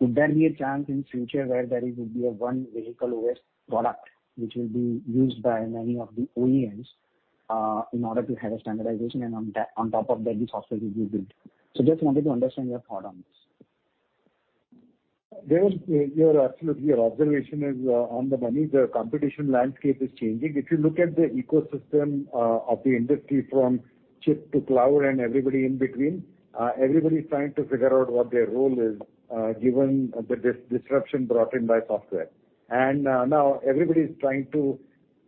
Speaker 16: Could there be a chance in future where there is, would be a one vehicle OS product which will be used by many of the OEMs, in order to have a standardization and on that, on top of that the software will be built? Just wanted to understand your thought on this.
Speaker 6: Deval, your, absolutely, your observation is on the money. The competition landscape is changing. If you look at the ecosystem of the industry from chip to cloud and everybody in between, everybody is trying to figure out what their role is, given the disruption brought in by software. Now everybody is trying to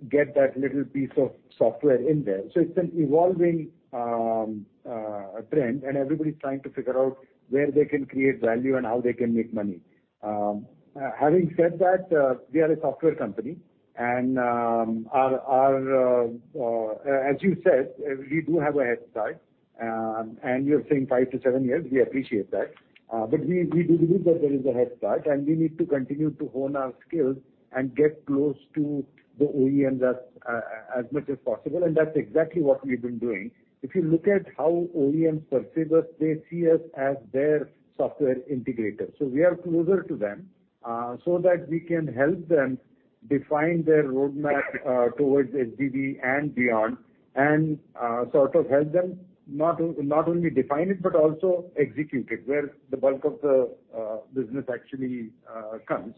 Speaker 6: get that little piece of software in there. It's an evolving trend and everybody's trying to figure out where they can create value and how they can make money. Having said that, we are a software company and our, as you said, we do have a head start, and you're saying 5-7 years, we appreciate that. We do believe that there is a head start and we need to continue to hone our skills and get close to the OEMs as much as possible. That's exactly what we've been doing. If you look at how OEMs perceive us, they see us as their software integrator. We are closer to them so that we can help them define their roadmap towards HGV and beyond and sort of help them not only define it but also execute it, where the bulk of the business actually comes.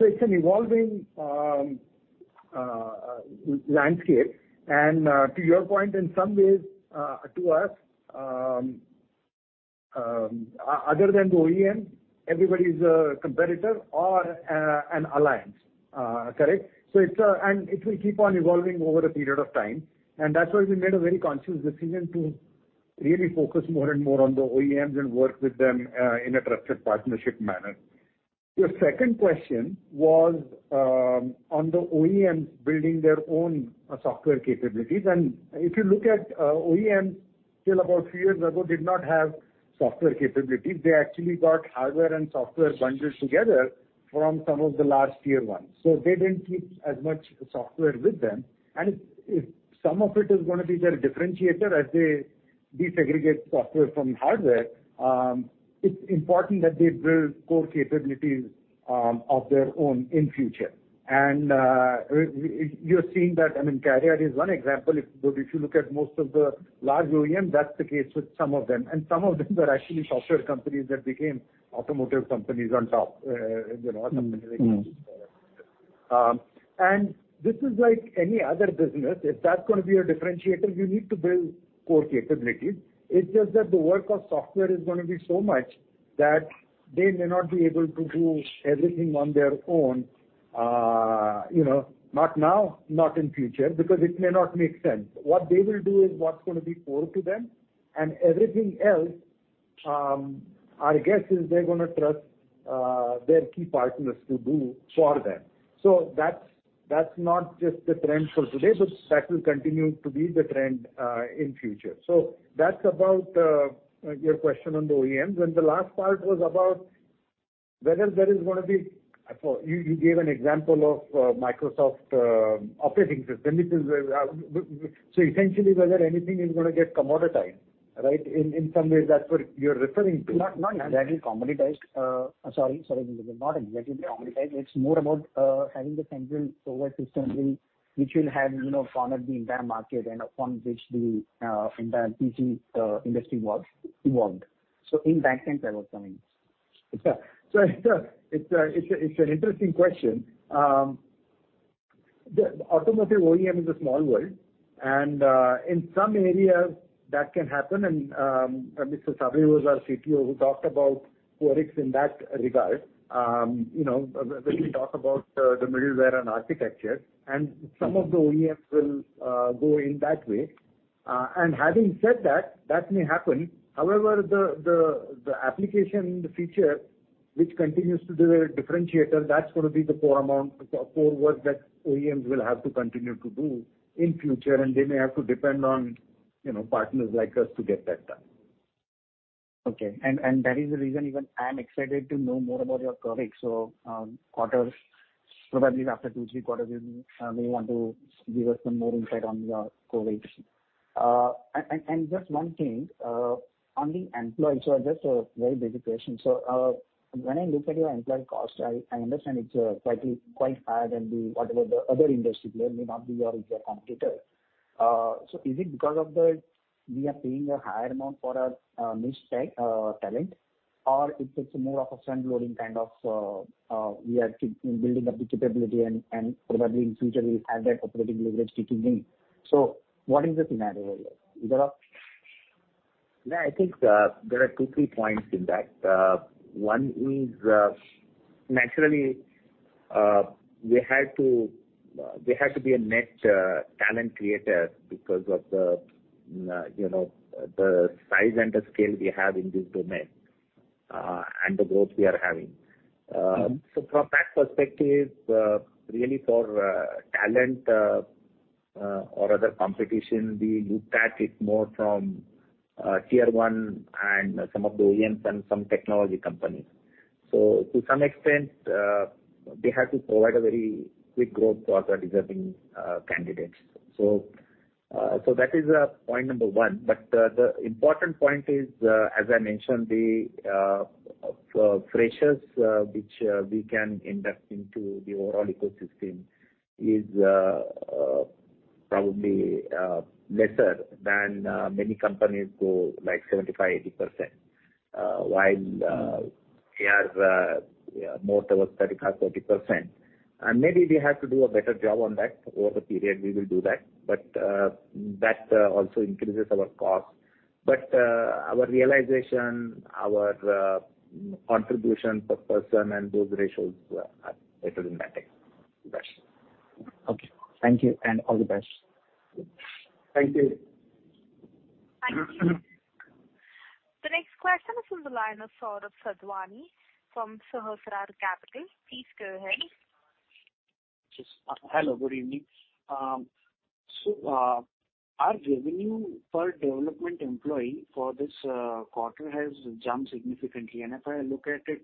Speaker 6: It's an evolving landscape. To your point, in some ways, to us, other than the OEM, everybody's a competitor or an alliance. Correct? It's... It will keep on evolving over a period of time, and that's why we made a very conscious decision to really focus more and more on the OEMs and work with them in a trusted partnership manner. Your second question was on the OEMs building their own software capabilities. If you look at OEM till about three years ago did not have software capabilities. They actually got hardware and software bundled together from some of the last Tier 1s. They didn't keep as much software with them. If some of it is gonna be their differentiator as they desegregate software from hardware, it's important that they build core capabilities of their own in future. You're seeing that, I mean, CARIAD is one example. If you look at most of the large OEM, that's the case with some of them. Some of them are actually software companies that became automotive companies on top. You know, a company like
Speaker 16: Mm-hmm.
Speaker 6: This is like any other business. If that's gonna be a differentiator, you need to build core capabilities. It's just that the work of software is gonna be so much that they may not be able to do everything on their own, you know, not now, not in future, because it may not make sense. What they will do is what's gonna be core to them, and everything else, our guess is they're gonna trust, their key partners to do for them. That's, that's not just the trend for today, but that will continue to be the trend in future. That's about your question on the OEMs. The last part was about whether there is gonna be. You gave an example of Microsoft operating system. It is, so essentially whether anything is going to get commoditized, right? In some ways that's what you're referring to.
Speaker 16: Not exactly commoditized. Sorry. Not exactly commoditized. It's more about having the central server system which will have, you know, cornered the entire market and upon which the entire PC industry was evolved. In that sense I was coming.
Speaker 6: Okay. It's an interesting question. The automotive OEM is a small world, in some areas that can happen. Mr. Sable, who's our CTO, who talked about QORIX in that regard, you know, when we talk about the middleware and architecture, some of the OEMs will go in that way. Having said that may happen. However, the application feature which continues to be the differentiator, that's gonna be the core amount, core work that OEMs will have to continue to do in future, and they may have to depend on, you know, partners like us to get that done.
Speaker 16: Okay. That is the reason even I am excited to know more about your QORIX. Quarters, probably after two, three quarters, you want to give us some more insight on your QORIX. Just one thing on the employee. Just a very basic question. When I look at your employee cost, I understand it's slightly quite higher than the, whatever the other industry player may not be your competitor. Is it because of the we are paying a higher amount for our niche tech talent? Or it's more of a front loading kind of, we are building up the capability and probably in future we'll have that operating leverage kicking in. What is the scenario here? Is there?
Speaker 6: I think there are two, three points in that. One is, naturally, we had to, we had to be a net talent creator because of the, you know, the size and the scale we have in this domain, and the growth we are having. From that perspective, really for talent, or other competition, we looked at it more from Tier 1 and some of the OEMs and some technology companies. To some extent, we had to provide a very quick growth for our deserving candidates. That is point number one. The, the important point is, as I mentioned, the, freshers, which, we can induct into the overall ecosystem is, probably, lesser than, many companies go like 75%-80%, while, we are, more towards 35%-40%. Maybe we have to do a better job on that. Over the period we will do that. That, also increases our cost. Our realization, our, contribution per person and those ratios are better than that, I guess.
Speaker 16: Okay. Thank you, and all the best.
Speaker 6: Thank you.
Speaker 1: Thank you. The next question is from the line of Saurabh Sadhwani from Sahasrar Capital. Please go ahead.
Speaker 17: Hello, good evening. Our revenue per development employee for this quarter has jumped significantly. If I look at it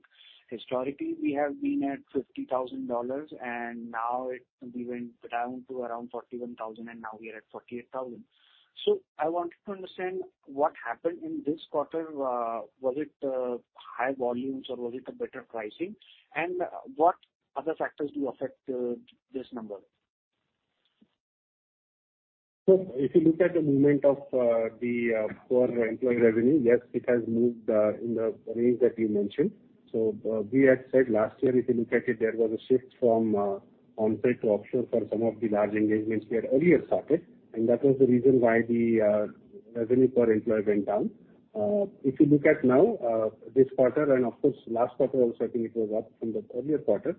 Speaker 17: historically, we have been at $50,000, and now it went down to around $41,000, and now we are at $48,000. I wanted to understand what happened in this quarter. Was it high volumes or was it a better pricing? What other factors do affect this number?
Speaker 3: If you look at the movement of the per employee revenue, yes, it has moved in the range that you mentioned. We had said last year, if you look at it, there was a shift from on-site to offshore for some of the large engagements we had earlier started, and that was the reason why the revenue per employee went down. If you look at now, this quarter, and of course last quarter also, I think it was up from the earlier quarter.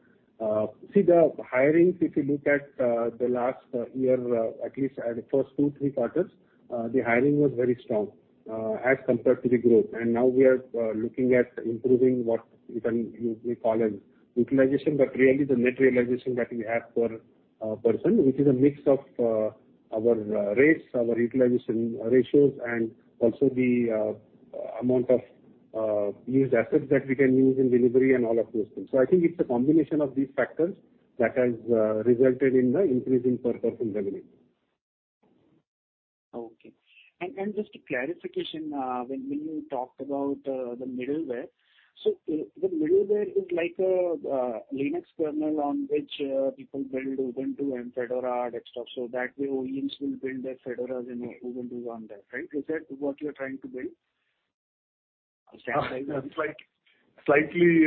Speaker 3: See the hiring, if you look at the last year, at least at the first two, three quarters, the hiring was very strong as compared to the growth. Now we are looking at improving what we call as utilization. Really the net realization that we have per person, which is a mix of our rates, our utilization ratios, and also the amount of used assets that we can use in delivery and all of those things. I think it's a combination of these factors that has resulted in the increase in per person revenue.
Speaker 17: Okay. Just a clarification, when you talked about the middleware. The middleware is like a Linux kernel on which people build Ubuntu and Fedora desktop. That way OEMs will build their Fedoras and Ubuntu on that, right? Is that what you are trying to build?
Speaker 3: That's like slightly,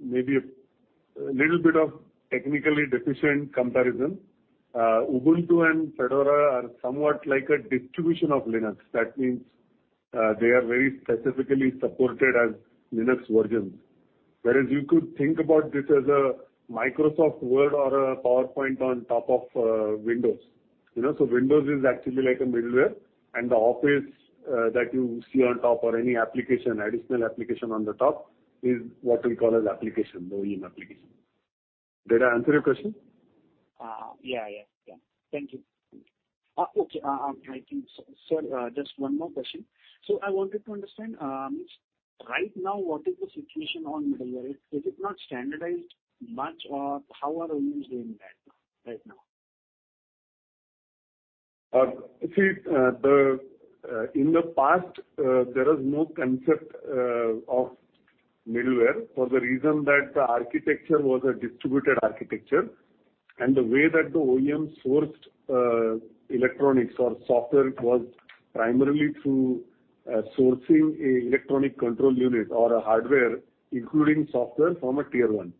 Speaker 3: maybe a little bit of technically deficient comparison. Ubuntu and Fedora are somewhat like a distribution of Linux. That means, they are very specifically supported as Linux versions. Whereas you could think about this as a Microsoft Word or a PowerPoint on top of Windows. You know? Windows is actually like a middleware, and the Office that you see on top or any application, additional application on the top is what we call as application, the OEM application. Did I answer your question?
Speaker 17: Yeah, yeah. Yeah. Thank you. Okay. I think, sir, just one more question. I wanted to understand, right now, what is the situation on middleware? Is it not standardized much, or how are OEMs doing that right now?
Speaker 3: See, the in the past, there was no concept of middleware for the reason that the architecture was a distributed architecture. The way that the OEM sourced electronics or software was primarily through sourcing an electronic control unit or a hardware, including software from a Tier 1.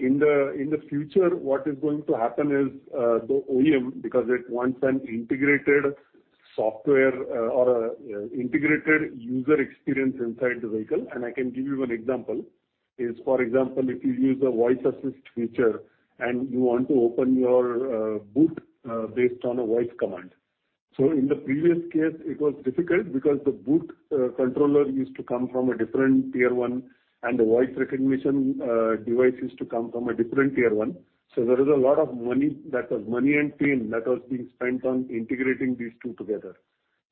Speaker 3: In the in the future, what is going to happen is, the OEM, because it wants an integrated software, or integrated user experience inside the vehicle, and I can give you an example, is, for example, if you use a voice assist feature and you want to open your boot, based on a voice command. In the previous case, it was difficult because the boot controller used to come from a different Tier 1 and the voice recognition device used to come from a different Tier 1. There is a lot of money, that was money and team that was being spent on integrating these two together.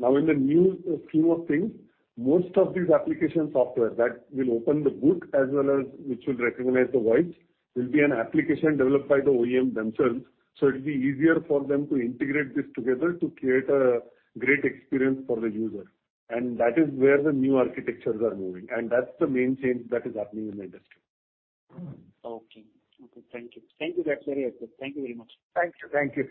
Speaker 3: In the new scheme of things, most of these application software that will open the boot as well as which will recognize the voice will be an application developed by the OEM themselves. It'll be easier for them to integrate this together to create a great experience for the user. That is where the new architectures are moving, and that's the main change that is happening in the industry.
Speaker 17: Okay. Okay. Thank you. Thank you. That's very helpful. Thank you very much.
Speaker 3: Thank you. Thank you.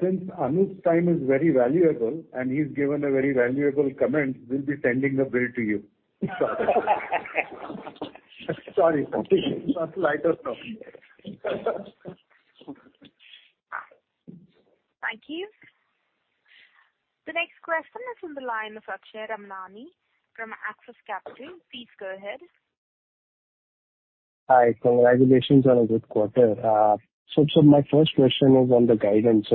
Speaker 3: Since Anup's time is very valuable, and he's given a very valuable comment, we'll be sending the bill to you. Sorry. Sorry. Just a lighter note.
Speaker 1: Thank you. The next question is from the line of Akshay Ramnani from Axis Capital. Please go ahead.
Speaker 18: Hi. Congratulations on a good quarter. My first question is on the guidance.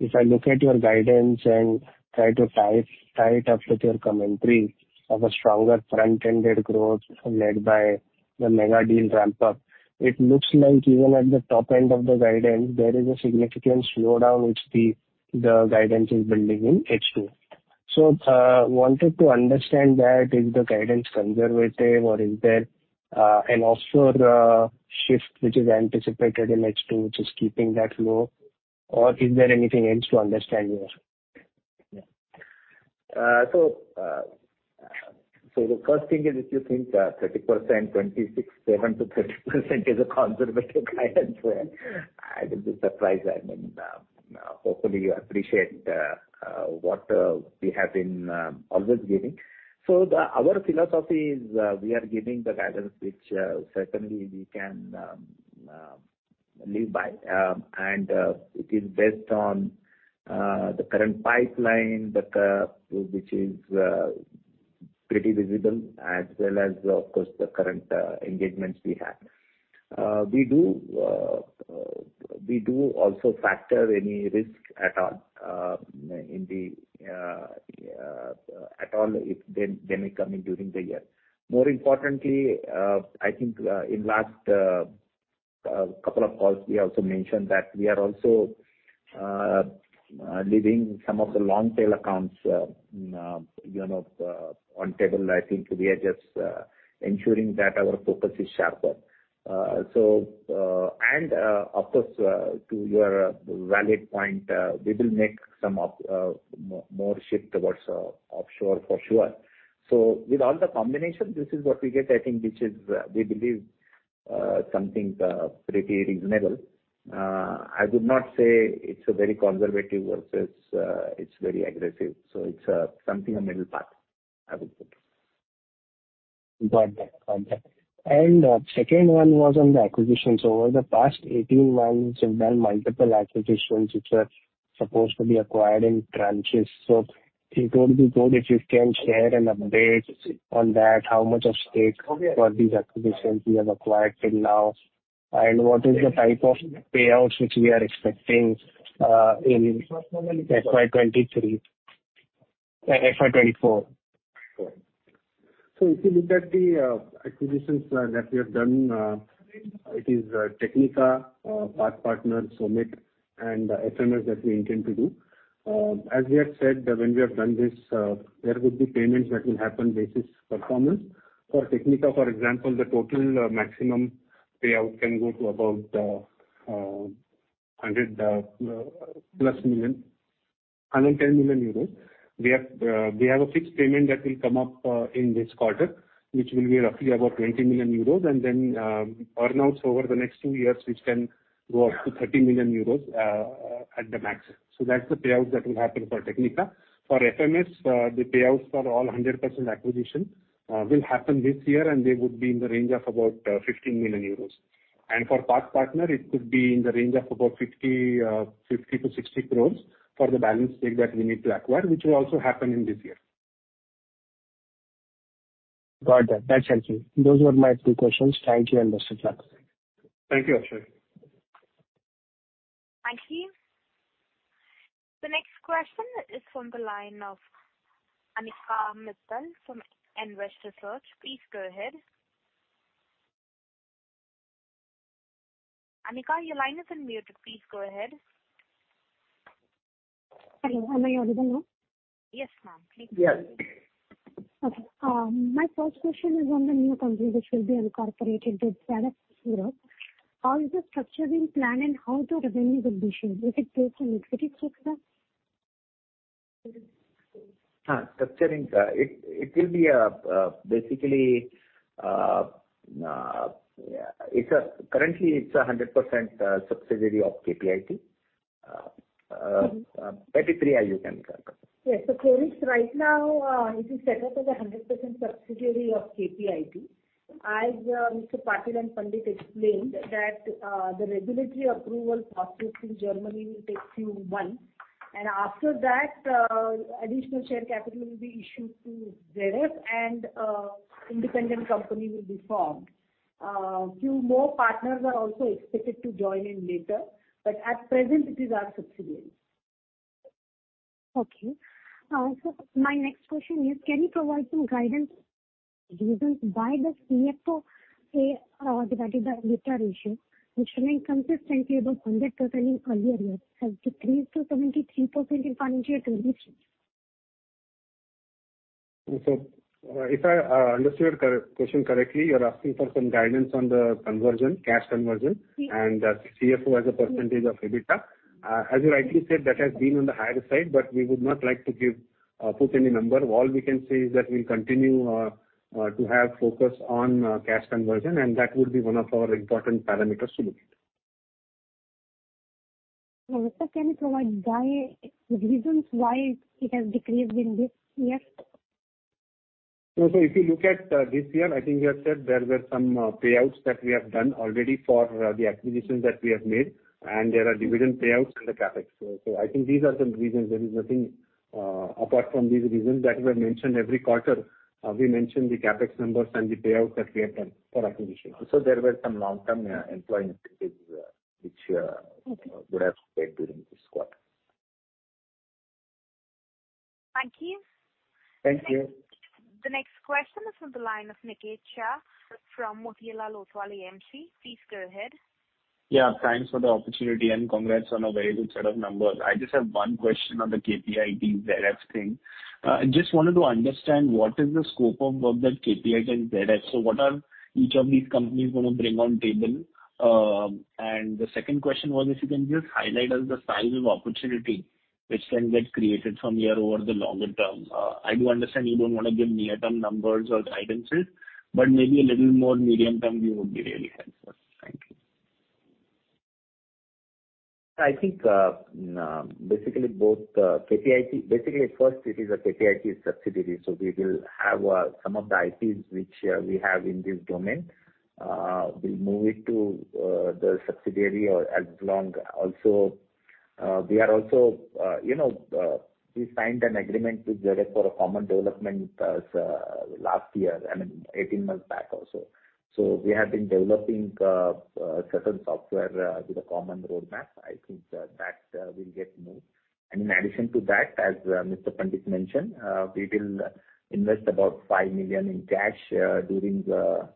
Speaker 18: If I look at your guidance and try to tie it up with your commentary of a stronger front-ended growth led by the mega deal ramp-up, it looks like even at the top end of the guidance, there is a significant slowdown which the guidance is building in H2. Wanted to understand that. Is the guidance conservative or is there an offshore shift which is anticipated in H2, which is keeping that low? Is there anything else to understand here?
Speaker 6: The first thing is, if you think that 30%, 26, 7%-30% is a conservative guidance, I will be surprised. I mean, hopefully you appreciate what we have been always giving. Our philosophy is, we are giving the guidance which certainly we can live by. It is based on the current pipeline that which is pretty visible as well as, of course, the current engagements we have. We do also factor any risk at all, in the, at all if they may come in during the year. More importantly, I think, in last couple of calls we also mentioned that we are also leaving some of the long tail accounts, you know, on table. I think we are just ensuring that our focus is sharper. And, of course, to your valid point, we will make some more shift towards offshore for sure. With all the combination, this is what we get, I think, which is something pretty reasonable. I would not say it's a very conservative versus it's very aggressive. It's something a middle path, I would say.
Speaker 18: Got that. Got that. Second one was on the acquisitions. Over the past 18 months, you've done multiple acquisitions which were supposed to be acquired in tranches. It would be good if you can share an update on that. How much of stake for these acquisitions you have acquired till now? What is the type of payouts which we are expecting in FY 2023, FY 2024?
Speaker 6: If you look at the acquisitions that we have done, it is Technica, PathPartner, SOMIT and FMS that we intend to do. As we have said, when we have done this, there would be payments that will happen basis performance. For Technica, for example, the total maximum payout can go to about 100+ million, 110 million euros. We have a fixed payment that will come up in this quarter, which will be roughly about 20 million euros. Earn-outs over the next two years, which can go up to 30 million euros at the max. That's the payouts that will happen for Technica. For FMS, the payouts for all 100% acquisition, will happen this year, and they would be in the range of about 15 million euros. For PathPartner, it could be in the range of about 50-60 crores for the balance stake that we need to acquire, which will also happen in this year.
Speaker 18: Got that. That's helpful. Those were my two questions. Thank you. Best regards.
Speaker 6: Thank you, Akshay.
Speaker 1: Thank you. The next question is from the line of Anika Mittal from Nvest Research. Please go ahead. Anika, your line has been muted. Please go ahead.
Speaker 19: Hello. Am I audible now?
Speaker 1: Yes, ma'am. Please go ahead.
Speaker 6: Yes.
Speaker 19: Okay. My first question is on the new company which will be incorporated with ZF Group. How is the structure being planned and how the revenues will be shared? Is it based on equity stakes then?
Speaker 6: Structuring. It will be basically, currently it's a 100% subsidiary of KPIT.
Speaker 19: Okay.
Speaker 6: Priyamvada, you can come.
Speaker 15: Yes. Currently, right now, it is set up as a 100% subsidiary of KPIT. As Mr. Patil and Pandit explained that the regulatory approval process in Germany will take few months. After that, additional share capital will be issued to ZF and independent company will be formed. Few more partners are also expected to join in later, but at present it is our subsidiary.
Speaker 19: My next question is, can you provide some guidance reasons why the CFO divided by EBITDA ratio, which remained consistently above 100% in earlier years, has decreased to 73% in financial 2023?
Speaker 6: If I understood your question correctly, you're asking for some guidance on the conversion, cash conversion.
Speaker 19: Yes.
Speaker 6: CFO as a percentageof EBITDA. As you rightly said, that has been on the higher side, we would not like to give, put any number. All we can say is that we'll continue to have focus on cash conversion, that would be one of our important parameters to look at.
Speaker 19: Mr. can you provide why, reasons why it has decreased in this year?
Speaker 6: If you look at this year, I think we have said there were some payouts that we have done already for the acquisitions that we have made, and there are dividend payouts and the CapEx. I think these are some reasons. There is nothing apart from these reasons that were mentioned every quarter. We mentioned the CapEx numbers and the payouts that we have done for acquisition. Also, there were some long-term employee incentives, which.
Speaker 19: Okay.
Speaker 6: Would have spent during this quarter.
Speaker 19: Thank you.
Speaker 6: Thank you.
Speaker 1: The next question is from the line of Niket Shah from Motilal Oswal AMC. Please go ahead.
Speaker 20: Yeah, thanks for the opportunity and congrats on a very good set of numbers. I just have one question on the KPIT-ZF thing. Just wanted to understand what is the scope of work that KPIT and ZF? What are each of these companies gonna bring on table? The second question was if you can just highlight us the size of opportunity which can get created from here over the longer term. I do understand you don't wanna give near-term numbers or guidances, but maybe a little more medium term view would be really helpful. Thank you.
Speaker 6: Basically, first it is a KPIT subsidiary, so we will have some of the IPs which we have in this domain. We'll move it to the subsidiary or as long also. We are also, you know, we signed an agreement with ZF for a common development, last year, I mean 18 months back also. We have been developing certain software with a common roadmap. I think that will get moved. In addition to that, as Mr. Pandit mentioned, we will invest about 5 million in cash during the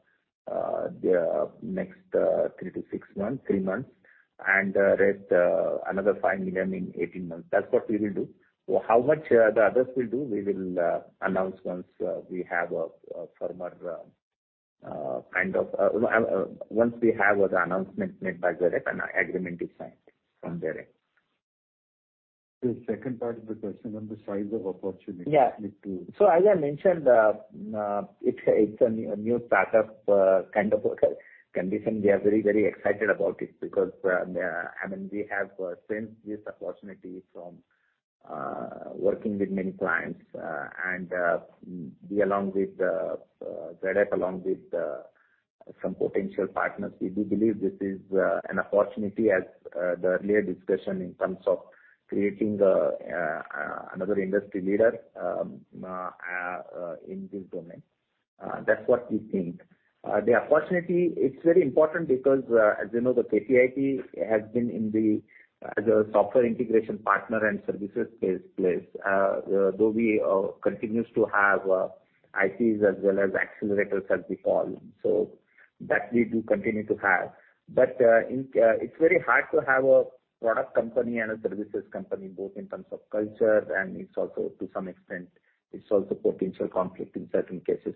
Speaker 6: next three to six months, three months, and rest another 5 million in 18 months. That's what we will do. How much the others will do, we will announce once we have a firmer kind of once we have the announcement made by ZF and agreement is signed from their end.
Speaker 11: The second part of the question on the size of opportunity to.
Speaker 6: Yeah. As I mentioned, it's a new startup, kind of a condition. We are very, very excited about it because, I mean, we have sensed this opportunity from working with many clients. We along with ZF along with some potential partners, we do believe this is an opportunity as the earlier discussion in terms of creating another industry leader in this domain. That's what we think. The opportunity, it's very important because, as you know, the KPIT has been in the, as a software integration partner and services space. Though we continues to have ITs as well as accelerators, as we call them. So that we do continue to have. It's very hard to have a product company and a services company both in terms of culture, and it's also, to some extent, it's also potential conflict in certain cases.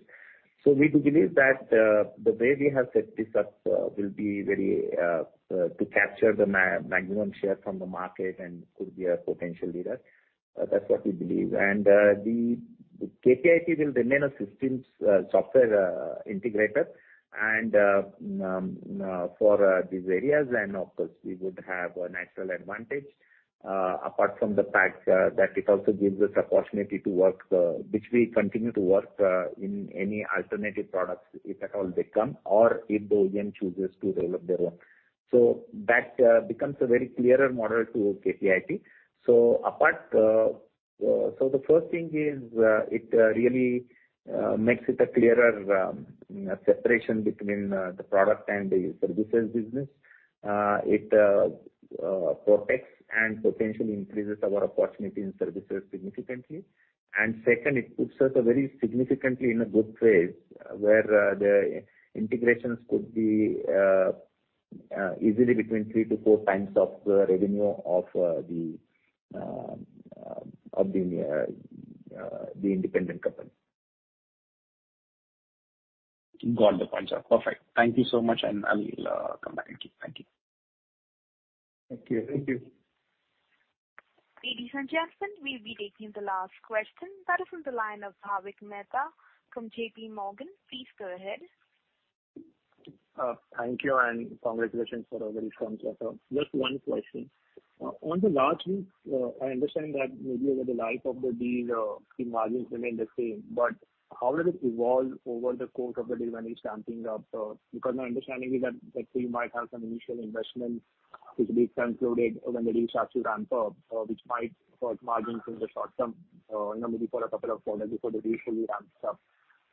Speaker 6: We do believe that the way we have set this up will be very to capture the maximum share from the market and could be a potential leader. That's what we believe. The KPIT will remain a systems software integrator and for these areas and of course we would have a natural advantage. Apart from the fact that it also gives us opportunity to work, which we continue to work, in any alternative products, if at all they come or if the OEM chooses to roll up their own. That becomes a very clearer model to KPIT. Apart, so the first thing is, it really makes it a clearer separation between the product and the services business. It protects and potentially increases our opportunity in services significantly. Second, it puts us very significantly in a good place where the integrations could be easily between 3x to 4x of the revenue of the of the independent company.
Speaker 20: Got the points sir. Perfect. Thank you so much. I'll come back. Thank you.
Speaker 6: Thank you.
Speaker 11: Thank you.
Speaker 1: Ladies and gentlemen, we'll be taking the last question. That is on the line of Bhavik Mehta from JPMorgan. Please go ahead.
Speaker 21: Thank you, and congratulations for a very firm quarter. Just one question. On the large deals, I understand that maybe over the life of the deal, the margins remain the same. How does it evolve over the course of the deal when it's ramping up? Because my understanding is that you might have some initial investments which will be concluded when the deal starts to ramp up, which might hurt margins in the short term, you know, maybe for a couple of quarters before the deal fully ramps up.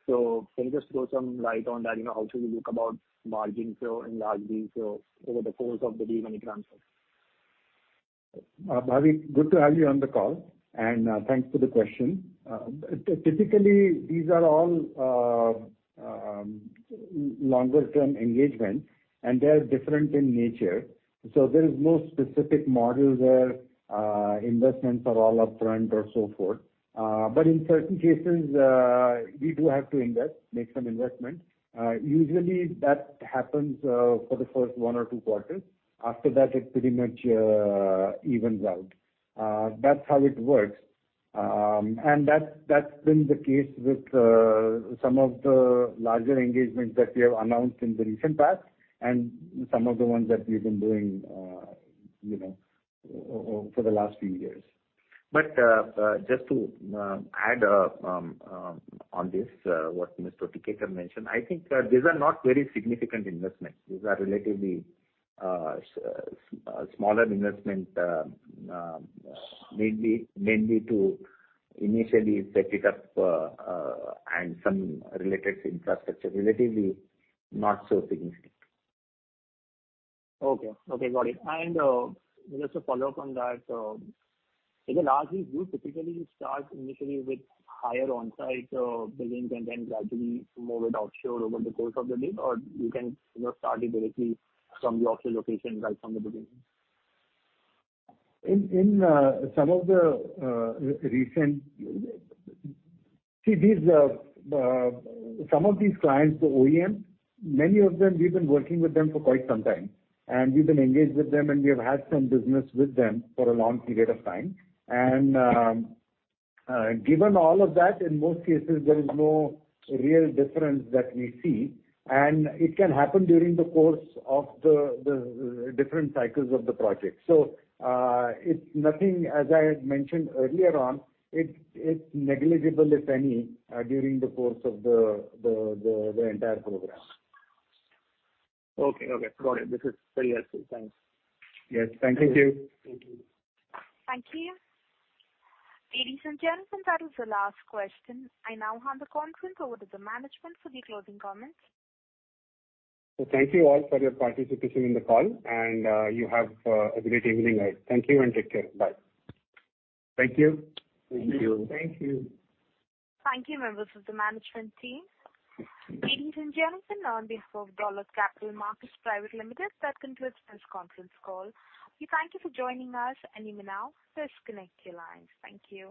Speaker 21: Can you just throw some light on that? You know, how should we look about margins, you know, in large deals, you know, over the course of the deal when it ramps up?
Speaker 11: Bhavik, good to have you on the call, and thanks for the question. Typically, these are all longer term engagements, and they are different in nature, so there is no specific model where investments are all up front or so forth. In certain cases, we do have to invest, make some investment. Usually that happens for the first one or two quarters. After that, it pretty much evens out. That's how it works. That's, that's been the case with some of the larger engagements that we have announced in the recent past and some of the ones that we've been doing, you know, over the last few years.
Speaker 6: Just to add on this, what Mr. Tikekar mentioned, I think, these are not very significant investments. These are relatively smaller investment, mainly to initially set it up and some related infrastructure, relatively not so significant.
Speaker 21: Okay. Okay, got it. Just a follow-up on that. In the large deals, do you typically start initially with higher on-site, billing and then gradually move it offshore over the course of the deal? You can, you know, start it directly from the offshore location right from the beginning?
Speaker 11: In some of the recent. See, these some of these clients, the OEMs, many of them, we've been working with them for quite some time, and we've been engaged with them, and we have had some business with them for a long period of time. Given all of that, in most cases, there is no real difference that we see. It can happen during the course of the different cycles of the project. It's nothing, as I had mentioned earlier on, it's negligible, if any, during the course of the entire program.
Speaker 21: Okay. Okay, got it. This is very useful. Thanks.
Speaker 11: Yes. Thank you.
Speaker 6: Thank you.
Speaker 1: Thank you. Ladies and gentlemen, that was the last question. I now hand the conference over to the management for the closing comments.
Speaker 11: Thank you all for your participation in the call, and you have a great evening ahead. Thank you, and take care. Bye.
Speaker 6: Thank you.
Speaker 4: Thank you.
Speaker 11: Thank you.
Speaker 1: Thank you, members of the management team. Ladies and gentlemen, on behalf of Dolat Capital Market Private Limited, that concludes this conference call. We thank you for joining us, and you may now disconnect your lines. Thank you.